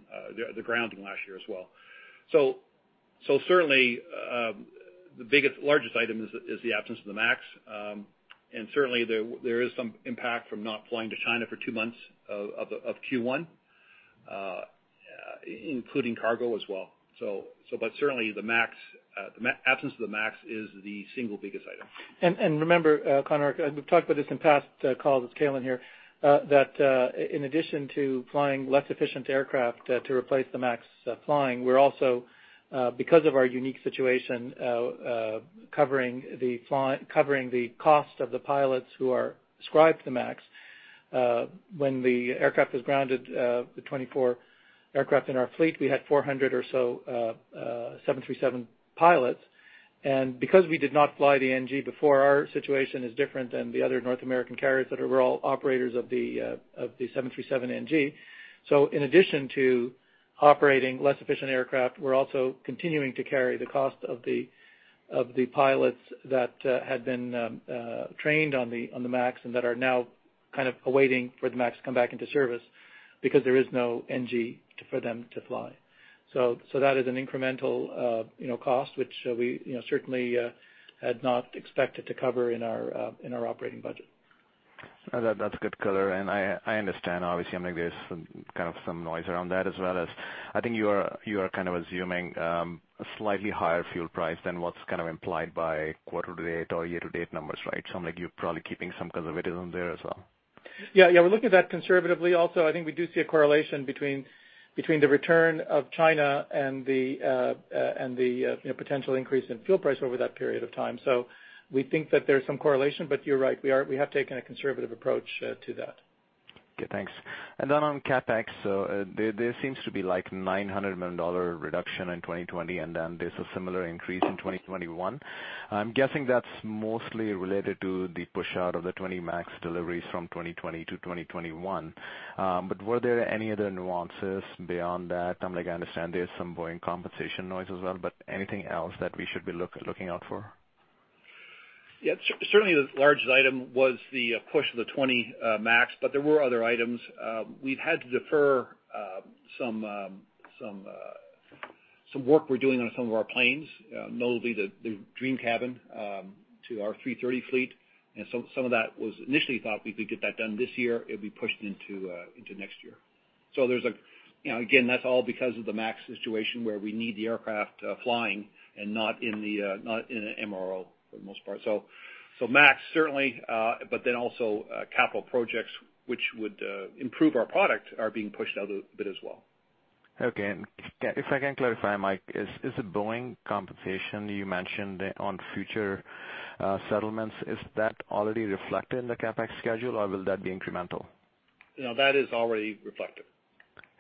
the grounding last year as well. Certainly, the largest item is the absence of the MAX. Certainly there is some impact from not flying to China for two months of Q1, including cargo as well. Certainly the absence of the MAX is the single biggest item. Remember, Konark, we've talked about this in past calls, it's Calin here, that in addition to flying less efficient aircraft to replace the MAX flying, we're also, because of our unique situation, covering the cost of the pilots who are ascribed to MAX. When the aircraft was grounded, the 24 aircraft in our fleet, we had 400 or so 737 pilots. Because we did not fly the NG before, our situation is different than the other North American carriers that are all operators of the 737NG. In addition to operating less efficient aircraft, we're also continuing to carry the cost of the pilots that had been trained on the MAX and that are now awaiting for the MAX to come back into service because there is no NG for them to fly. That is an incremental cost which we certainly had not expected to cover in our operating budget. That's a good color, and I understand, obviously, there's some kind of some noise around that as well as I think you are kind of assuming a slightly higher fuel price than what's kind of implied by quarter to date or year to date numbers, right? You're probably keeping some conservatism there as well. Yeah. We're looking at that conservatively also. I think we do see a correlation between the return of China and the potential increase in fuel price over that period of time. We think that there's some correlation. You're right, we have taken a conservative approach to that. Okay, thanks. On CapEx, there seems to be like 900 million dollar reduction in 2020, then there's a similar increase in 2021. I'm guessing that's mostly related to the push out of the 20 MAX deliveries from 2020 to 2021. Were there any other nuances beyond that? I understand there's some Boeing compensation noise as well, but anything else that we should be looking out for? Certainly the largest item was the push of the 20 MAX. There were other items. We've had to defer some work we're doing on some of our planes, notably the Green Cabin, to our 330 fleet. Some of that was initially thought we could get that done this year. It'll be pushed into next year. Again, that's all because of the MAX situation where we need the aircraft flying and not in an MRO for the most part. MAX certainly, also capital projects which would improve our product are being pushed out a bit as well. Okay. If I can clarify, Mike, is the Boeing compensation you mentioned on future settlements, is that already reflected in the CapEx schedule, or will that be incremental? No, that is already reflected.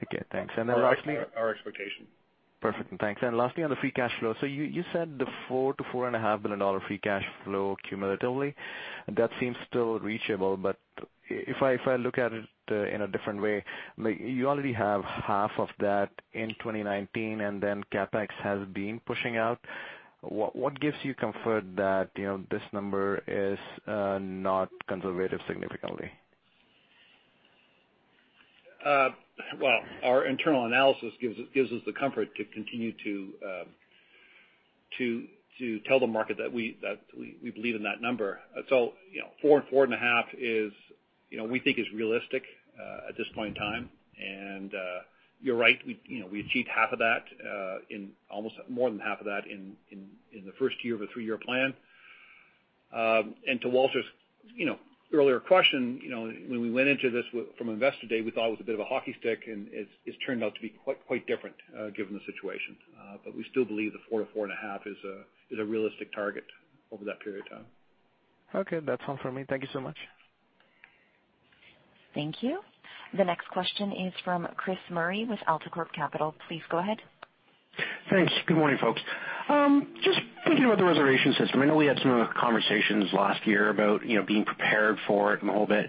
Okay, thanks. Our expectation. Perfect. Thanks. Lastly, on the free cash flow. You said the 4 billion-4.5 billion dollar free cash flow cumulatively, that seems still reachable. If I look at it in a different way, you already have half of that in 2019 and CapEx has been pushing out. What gives you comfort that this number is not conservative significantly? Well, our internal analysis gives us the comfort to continue to tell the market that we believe in that number. 4 billion, CAD 4.5 billion we think is realistic at this point in time. You're right, we achieved half of that in almost more than half of that in the first year of a three year plan. To Walter's earlier question, when we went into this from Investor Day, we thought it was a bit of a hockey stick, and it's turned out to be quite different given the situation. We still believe the 4 billion-4.5 billion is a realistic target over that period of time. Okay. That's all for me. Thank you so much. Thank you. The next question is from Chris Murray with AltaCorp Capital. Please go ahead. Thanks. Good morning, folks. Just thinking about the reservation system. I know we had some conversations last year about being prepared for it and the whole bit.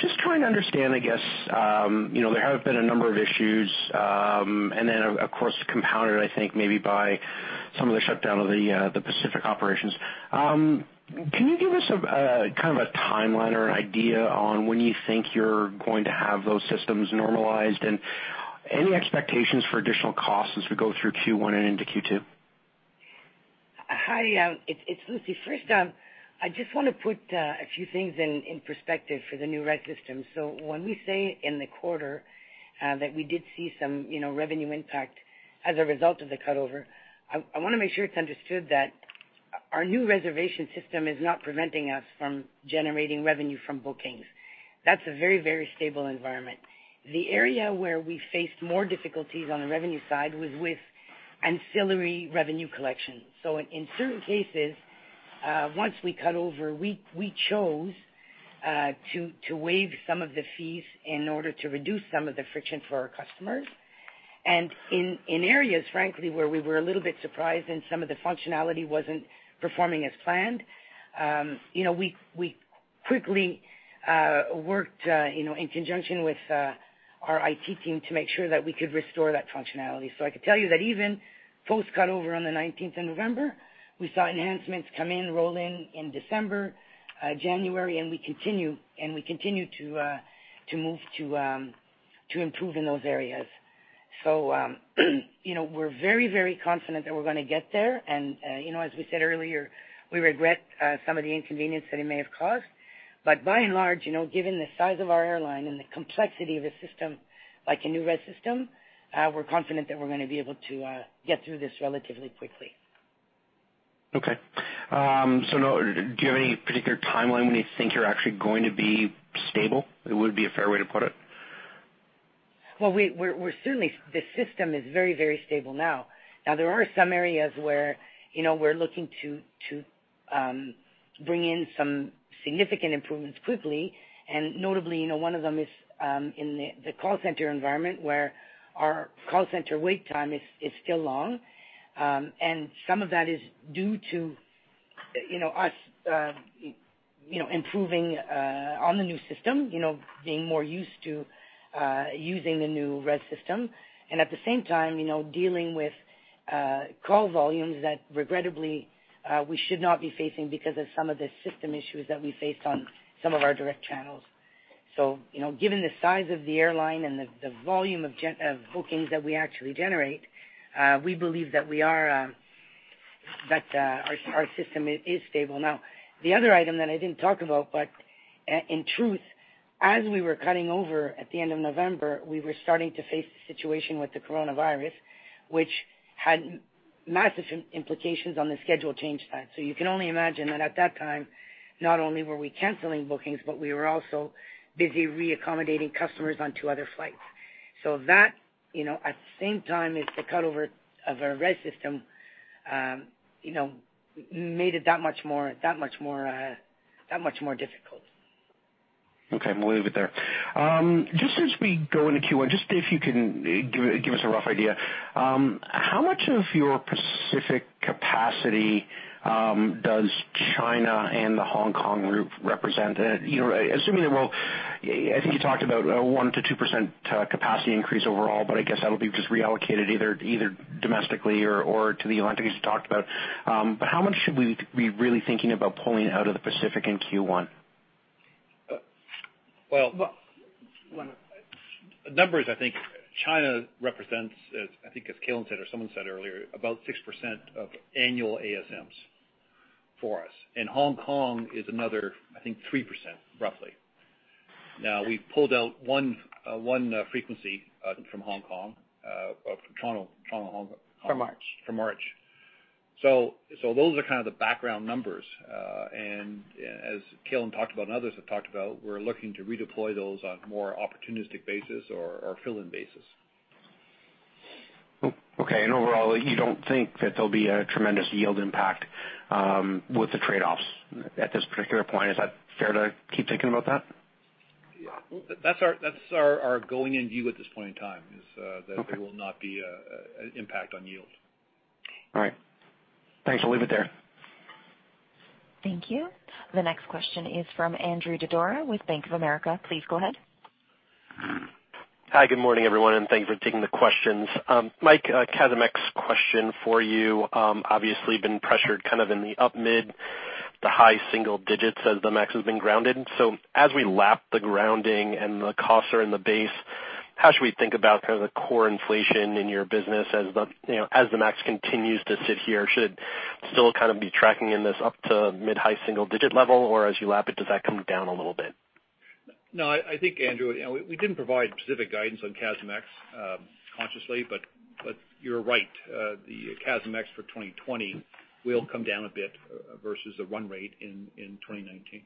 Just trying to understand, I guess, there have been a number of issues, and then of course, compounded, I think, maybe by some of the shutdown of the Pacific operations. Can you give us a kind of a timeline or an idea on when you think you're going to have those systems normalized, and any expectations for additional costs as we go through Q1 and into Q2? Hi, it's Lucie. First, I just want to put a few things in perspective for the new RES system. When we say in the quarter that we did see some revenue impact as a result of the cut over, I want to make sure it's understood that our new reservation system is not preventing us from generating revenue from bookings. That's a very stable environment. The area where we faced more difficulties on the revenue side was with ancillary revenue collection. In certain cases, once we cut over, we chose to waive some of the fees in order to reduce some of the friction for our customers. In areas, frankly, where we were a little bit surprised and some of the functionality wasn't performing as planned, we quickly worked in conjunction with our IT team to make sure that we could restore that functionality. I could tell you that even post cut over on the 19th of November, we saw enhancements come in, roll in in December, January, and we continue to move to improve in those areas. We're very confident that we're going to get there. As we said earlier, we regret some of the inconvenience that it may have caused. By and large, given the size of our airline and the complexity of a system like a new RES system, we're confident that we're going to be able to get through this relatively quickly. Okay. Now, do you have any particular timeline when you think you're actually going to be stable? Would be a fair way to put it. Well, certainly the system is very stable now. There are some areas where we're looking to bring in some significant improvements quickly. Notably, one of them is in the call center environment where our call center wait time is still long. Some of that is due to us improving on the new system, being more used to using the new RES system. At the same time, dealing with call volumes that regrettably we should not be facing because of some of the system issues that we faced on some of our direct channels. Given the size of the airline and the volume of bookings that we actually generate, we believe that our system is stable now. The other item that I didn't talk about, in truth, as we were cutting over at the end of November, we were starting to face the situation with the coronavirus, which had massive implications on the schedule change time. You can only imagine that at that time, not only were we canceling bookings, but we were also busy re-accommodating customers onto other flights. That, at the same time as the cut over of our RES system, made it that much more difficult. Okay. I'm going to leave it there. As we go into Q1, just if you can give us a rough idea. How much of your Pacific capacity does China and the Hong Kong route represent? I think you talked about a 1%-2% capacity increase overall, I guess that'll be just reallocated either domestically or to the Atlantics you talked about. How much should we be really thinking about pulling out of the Pacific in Q1? Well, numbers, I think China represents, I think as Calin said or someone said earlier, about 6% of annual ASMs for us. Hong Kong is another, I think, 3%, roughly. We've pulled out one frequency from Hong Kong, from Toronto. From March. From March. Those are kind of the background numbers. As Calin talked about and others have talked about, we're looking to redeploy those on a more opportunistic basis or fill-in basis. Okay, overall, you don't think that there'll be a tremendous yield impact with the trade-offs at this particular point. Is that fair to keep thinking about that? That's our going-in view at this point in time, is that- Okay There will not be an impact on yield. All right. Thanks. I'll leave it there. Thank you. The next question is from Andrew Didora with Bank of America. Please go ahead. Hi. Good morning, everyone, and thanks for taking the questions. Mike, CASM-ex question for you. Been pressured kind of in the up mid to high single digits as the MAX has been grounded. As we lap the grounding and the costs are in the base, how should we think about kind of the core inflation in your business as the MAX continues to sit here? Should it still kind of be tracking in this up to mid-high single digit level? As you lap it, does that come down a little bit? No, I think, Andrew, we didn't provide specific guidance on CASM-ex consciously, but you're right. The CASM-ex for 2020 will come down a bit versus the run rate in 2019.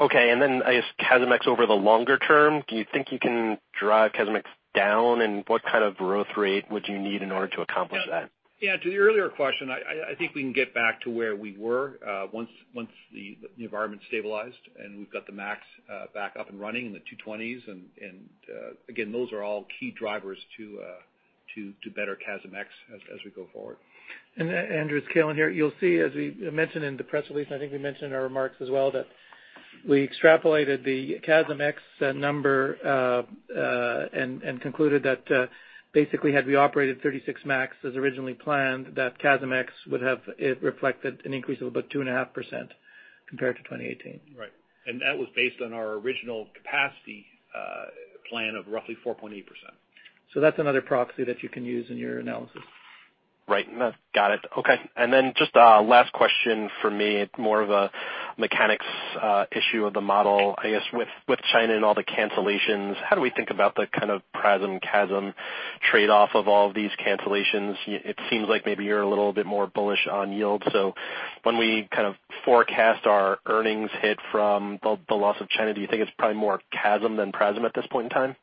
Okay. I guess CASM-ex over the longer term, do you think you can drive CASM-ex down, and what kind of growth rate would you need in order to accomplish that? To the earlier question, I think we can get back to where we were once the environment's stabilized and we've got the MAX back up and running and the 220s and again, those are all key drivers to better CASM-ex as we go forward. Andrew, it's Calin here. You'll see, as we mentioned in the press release, and I think we mentioned in our remarks as well, that we extrapolated the CASM-ex number and concluded that basically had we operated 36 MAX as originally planned, that CASM-ex would have reflected an increase of about 2.5% compared to 2018. Right. That was based on our original capacity plan of roughly 4.8%. That's another proxy that you can use in your analysis. Right. Got it. Okay. Just a last question from me, more of a mechanics issue of the model. I guess, with China and all the cancellations, how do we think about the kind of PRASM, CASM trade-off of all these cancellations? It seems like maybe you're a little bit more bullish on yield. When we kind of forecast our earnings hit from the loss of China, do you think it's probably more CASM than PRASM at this point in time?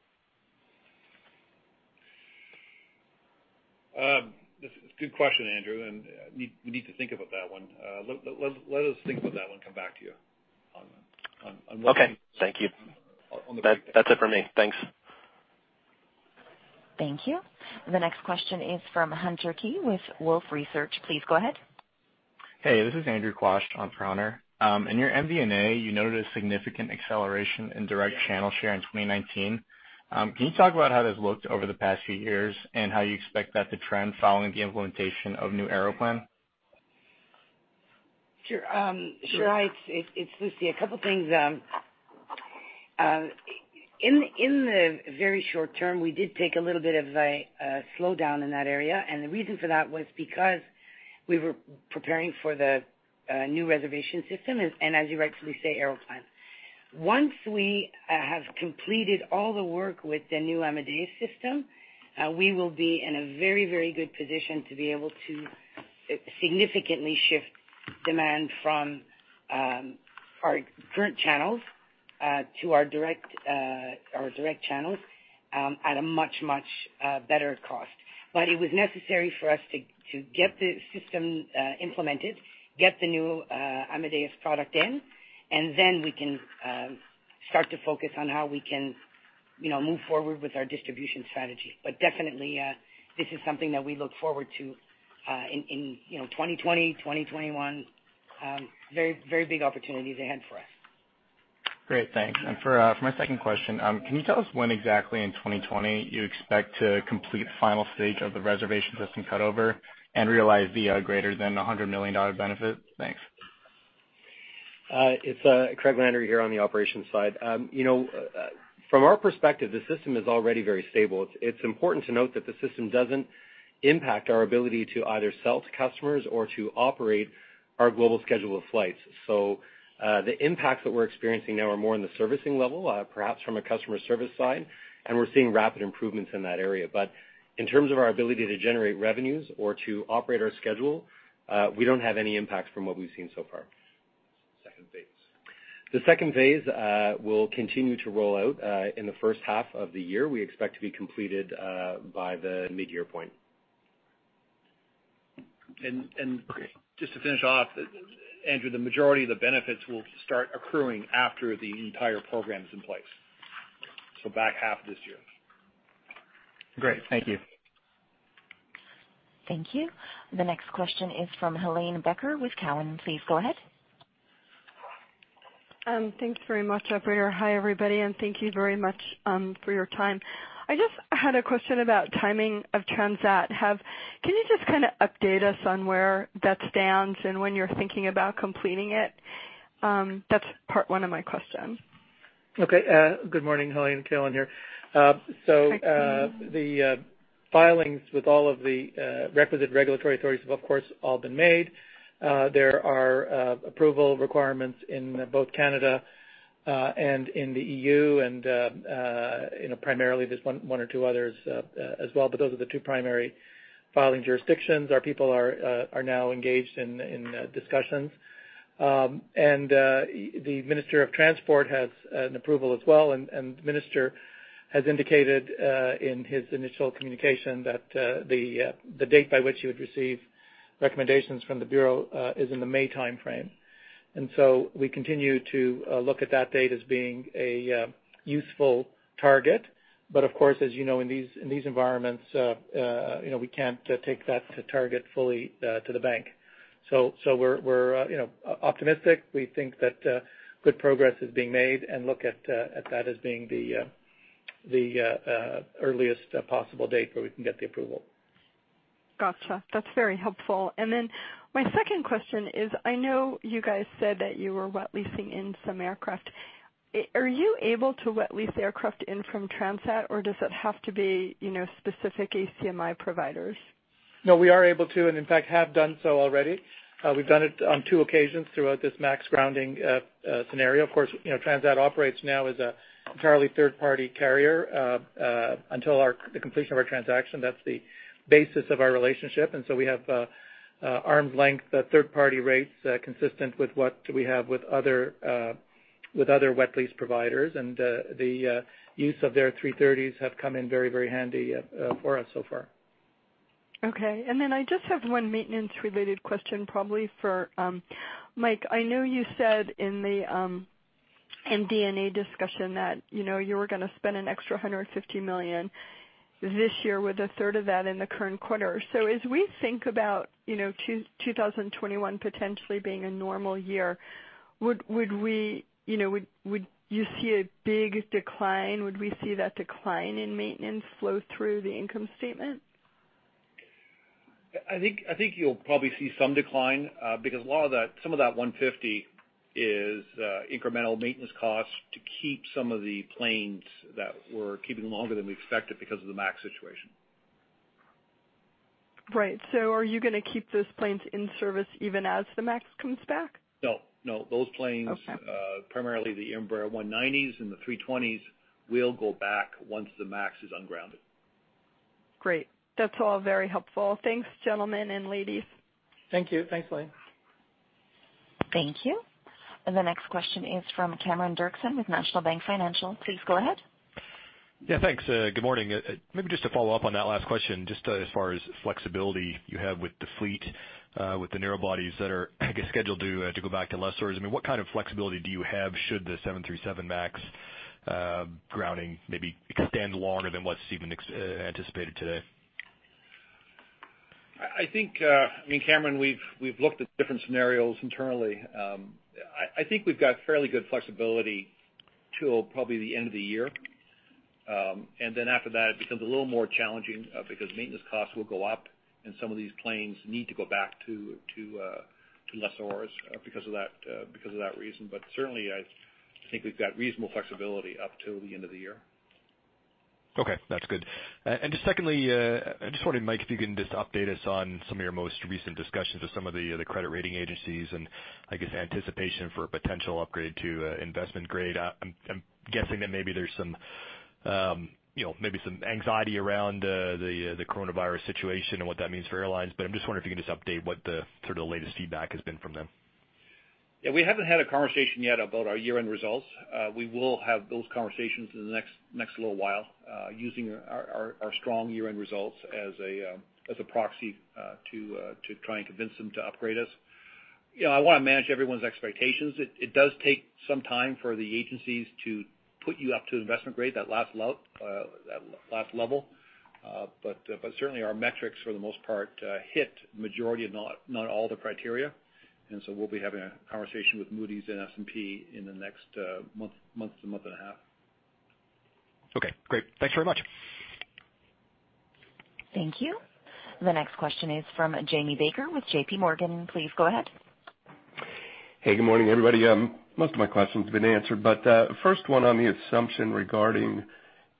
It's a good question, Andrew, and we need to think about that one. Let us think about that one, come back to you. Okay. Thank you On the- That's it for me. Thanks. Thank you. The next question is from Hunter Keay with Wolfe Research. Please go ahead. Hey, this is Andrew Quach on for Hunter. In your MD&A, you noted a significant acceleration in direct channel share in 2019. Can you talk about how that's looked over the past few years, and how you expect that to trend following the implementation of new Aeroplan? Sure, it's Lucie. A couple things. In the very short term, we did take a little bit of a slowdown in that area, and the reason for that was because we were preparing for the new reservation system, and as you rightly say, Aeroplan. Once we have completed all the work with the new Amadeus system, we will be in a very good position to be able to significantly shift demand from our current channels to our direct channels at a much better cost. It was necessary for us to get the system implemented, get the new Amadeus product in, and then we can start to focus on how we can move forward with our distribution strategy. Definitely, this is something that we look forward to in 2020, 2021. Very big opportunities ahead for us. Great. Thanks. For my second question, can you tell us when exactly in 2020 you expect to complete final stage of the reservation system cut over and realize the greater than 100 million dollar benefit? Thanks. It's Craig Landry here on the operations side. From our perspective, the system is already very stable. It's important to note that the system doesn't impact our ability to either sell to customers or to operate our global schedule of flights. The impacts that we're experiencing now are more in the servicing level, perhaps from a customer service side, and we're seeing rapid improvements in that area. In terms of our ability to generate revenues or to operate our schedule, we don't have any impacts from what we've seen so far. Second phase. The second phase will continue to roll out in the first half of the year. We expect to be completed by the mid-year point. Just to finish off, Andrew, the majority of the benefits will start accruing after the entire program is in place, back half of this year. Great. Thank you. Thank you. The next question is from Helane Becker with Cowen. Please go ahead. Thank you very much, operator. Hi, everybody, and thank you very much for your time. I just had a question about timing of Transat. Can you just update us on where that stands and when you're thinking about completing it? That's part one of my question. Okay. Good morning, Helane. Calin here. Hi, Calin. The filings with all of the requisite regulatory authorities have, of course, all been made. There are approval requirements in both Canada, in the EU primarily there is one or two others as well, but those are the two primary filing jurisdictions. Our people are now engaged in discussions. The Minister of Transport has an approval as well. The minister has indicated in his initial communication that the date by which he would receive recommendations from the bureau is in the May timeframe. We continue to look at that date as being a useful target. Of course, as you know, in these environments, we cannot take that target fully to the bank. We are optimistic. We think that good progress is being made and look at that as being the earliest possible date where we can get the approval. Got you. That's very helpful. My second question is, I know you guys said that you were wet leasing in some aircraft. Are you able to wet lease aircraft in from Transat, or does it have to be specific ACMI providers? No, we are able to, and in fact, have done so already. We've done it on two occasions throughout this MAX grounding scenario. Of course, Transat operates now as an entirely third-party carrier until the completion of our transaction. That's the basis of our relationship, and so we have arm's length third-party rates consistent with what we have with other wet lease providers. The use of their 330s have come in very handy for us so far. Okay. I just have one maintenance-related question, probably for Mike. I know you said in the MD&A discussion that you were going to spend an extra 150 million this year with a third of that in the current quarter. As we think about 2021 potentially being a normal year, would you see a big decline? Would we see that decline in maintenance flow through the income statement? I think you'll probably see some decline because some of that 150 is incremental maintenance costs to keep some of the planes that we're keeping longer than we expected because of the MAX situation. Right. Are you going to keep those planes in service even as the MAX comes back? No. Those planes- Okay Primarily the Embraer 190s and the 320s, will go back once the MAX is ungrounded. Great. That's all very helpful. Thanks, gentlemen and ladies. Thank you. Thanks, Helane. Thank you. The next question is from Cameron Doerksen with National Bank Financial. Please go ahead. Yeah, thanks. Good morning. Just to follow up on that last question, just as far as flexibility you have with the fleet, with the narrow bodies that are scheduled to go back to lessors. What kind of flexibility do you have should the 737 MAX grounding maybe extend longer than what's even anticipated today? I think, Cameron, we've looked at different scenarios internally. I think we've got fairly good flexibility till probably the end of the year. After that it becomes a little more challenging because maintenance costs will go up and some of these planes need to go back to lessors because of that reason. Certainly, I think we've got reasonable flexibility up till the end of the year. Okay. That's good. Just secondly, I just wondered, Mike, if you can just update us on some of your most recent discussions with some of the credit rating agencies and I guess anticipation for a potential upgrade to investment grade. I'm guessing that maybe there's maybe some anxiety around the coronavirus situation and what that means for airlines, but I'm just wondering if you can just update what the latest feedback has been from them. We haven't had a conversation yet about our year-end results. We will have those conversations in the next little while, using our strong year-end results as a proxy to try and convince them to upgrade us. I want to manage everyone's expectations. It does take some time for the agencies to put you up to investment grade, that last level. Certainly our metrics, for the most part, hit majority, if not all the criteria. We'll be having a conversation with Moody's and S&P in the next month to month and a half. Okay, great. Thanks very much. Thank you. The next question is from Jamie Baker with JPMorgan. Please go ahead. Hey, good morning, everybody. Most of my questions have been answered, first one on the assumption regarding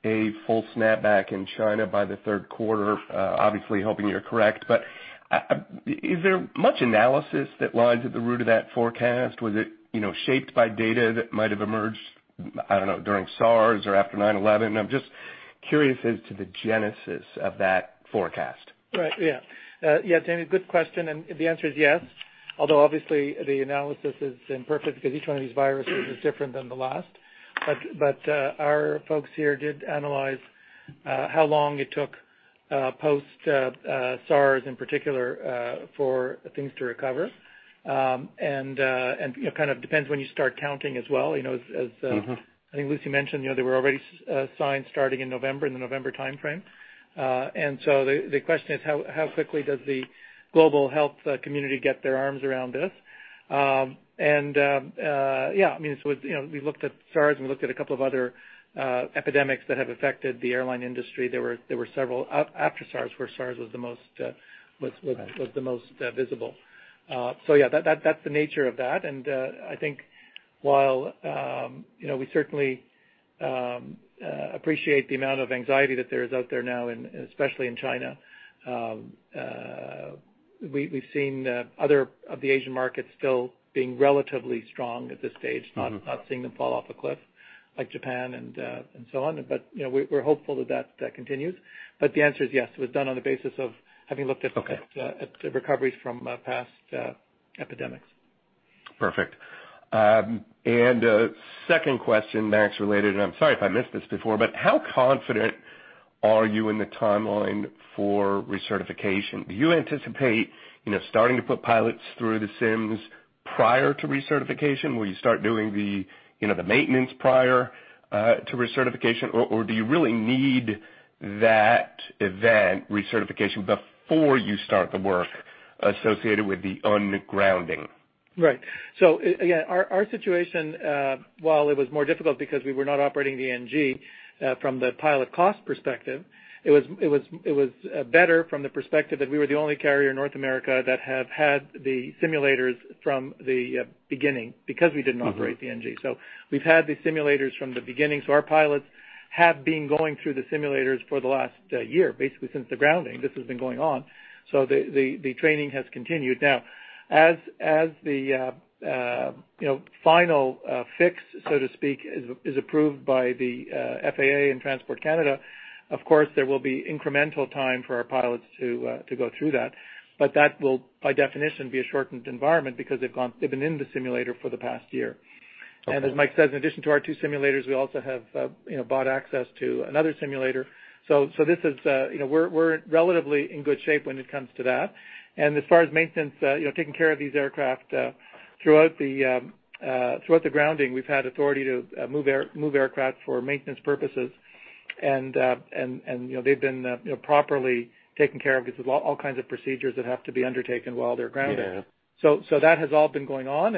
a full snapback in China by the third quarter. Obviously hoping you're correct. Is there much analysis that lies at the root of that forecast? Was it shaped by data that might have emerged, I don't know, during SARS or after 9/11? I'm just curious as to the genesis of that forecast. Right. Yeah. Yeah, Jamie, good question. The answer is yes, although obviously the analysis isn't perfect because each one of these viruses is different than the last. Our folks here did analyze how long it took post SARS, in particular, for things to recover. It kind of depends when you start counting as well. I think Lucie mentioned, there were already signs starting in November, in the November timeframe. The question is, how quickly does the global health community get their arms around this? We looked at SARS, and we looked at a couple of other epidemics that have affected the airline industry. There were several after SARS, where SARS was the most. Right Was the most visible. Yeah, that's the nature of that. I think while we certainly appreciate the amount of anxiety that there is out there now, and especially in China, we've seen other of the Asian markets still being relatively strong at this stage. Not seeing them fall off a cliff like Japan and so on. We're hopeful that that continues. The answer is yes, it was done on the basis of having looked at. Okay Recoveries from past epidemics. Perfect. Second question, Max related, and I'm sorry if I missed this before, but how confident are you in the timeline for recertification? Do you anticipate starting to put pilots through the sims prior to recertification? Will you start doing the maintenance prior to recertification? Do you really need that event, recertification, before you start the work associated with the un-grounding? Right. Again, our situation, while it was more difficult because we were not operating the NG from the pilot cost perspective, it was better from the perspective that we were the only carrier in North America that have had the simulators from the beginning because we didn't operate the NG. We've had the simulators from the beginning. Our pilots have been going through the simulators for the last year, basically since the grounding, this has been going on so the training has continued. Now, as the final fix, so to speak, is approved by the FAA and Transport Canada, of course, there will be incremental time for our pilots to go through that. That will, by definition, be a shortened environment because they've been in the simulator for the past year. Okay. As Mike says, in addition to our two simulators, we also have bought access to another simulator. We're relatively in good shape when it comes to that. As far as maintenance, taking care of these aircraft, throughout the grounding, we've had authority to move aircraft for maintenance purposes. They've been properly taken care of because there's all kinds of procedures that have to be undertaken while they're grounded. Yeah. That has all been going on.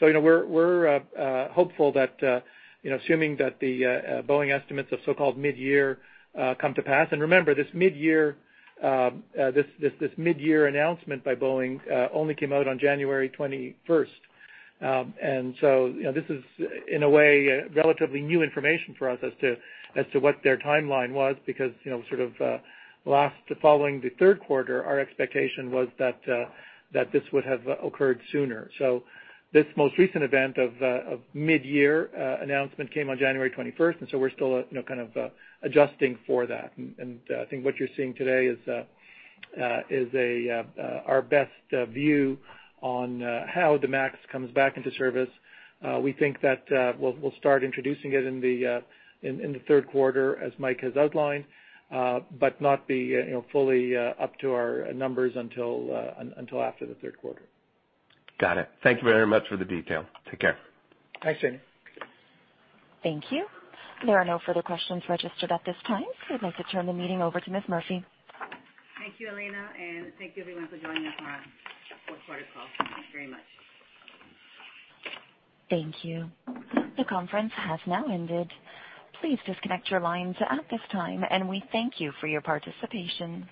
We're hopeful that assuming that the Boeing estimates of so-called mid-year come to pass, remember, this mid-year announcement by Boeing only came out on January 21st. This is, in a way, relatively new information for us as to what their timeline was because, sort of last, following the third quarter, our expectation was that this would have occurred sooner. This most recent event of mid-year announcement came on January 21st, and so we're still kind of adjusting for that. I think what you're seeing today is our best view on how the Max comes back into service. We think that we'll start introducing it in the third quarter as Mike has outlined, but not be fully up to our numbers until after the third quarter. Got it. Thank you very much for the detail. Take care. Thanks, Jamie. Thank you. There are no further questions registered at this time. I'd like to turn the meeting over to Ms. Murphy. Thank you, Elena, and thank you everyone for joining us on our fourth quarter call. Thank you very much. Thank you. The conference has now ended. Please disconnect your lines at this time, and we thank you for your participation.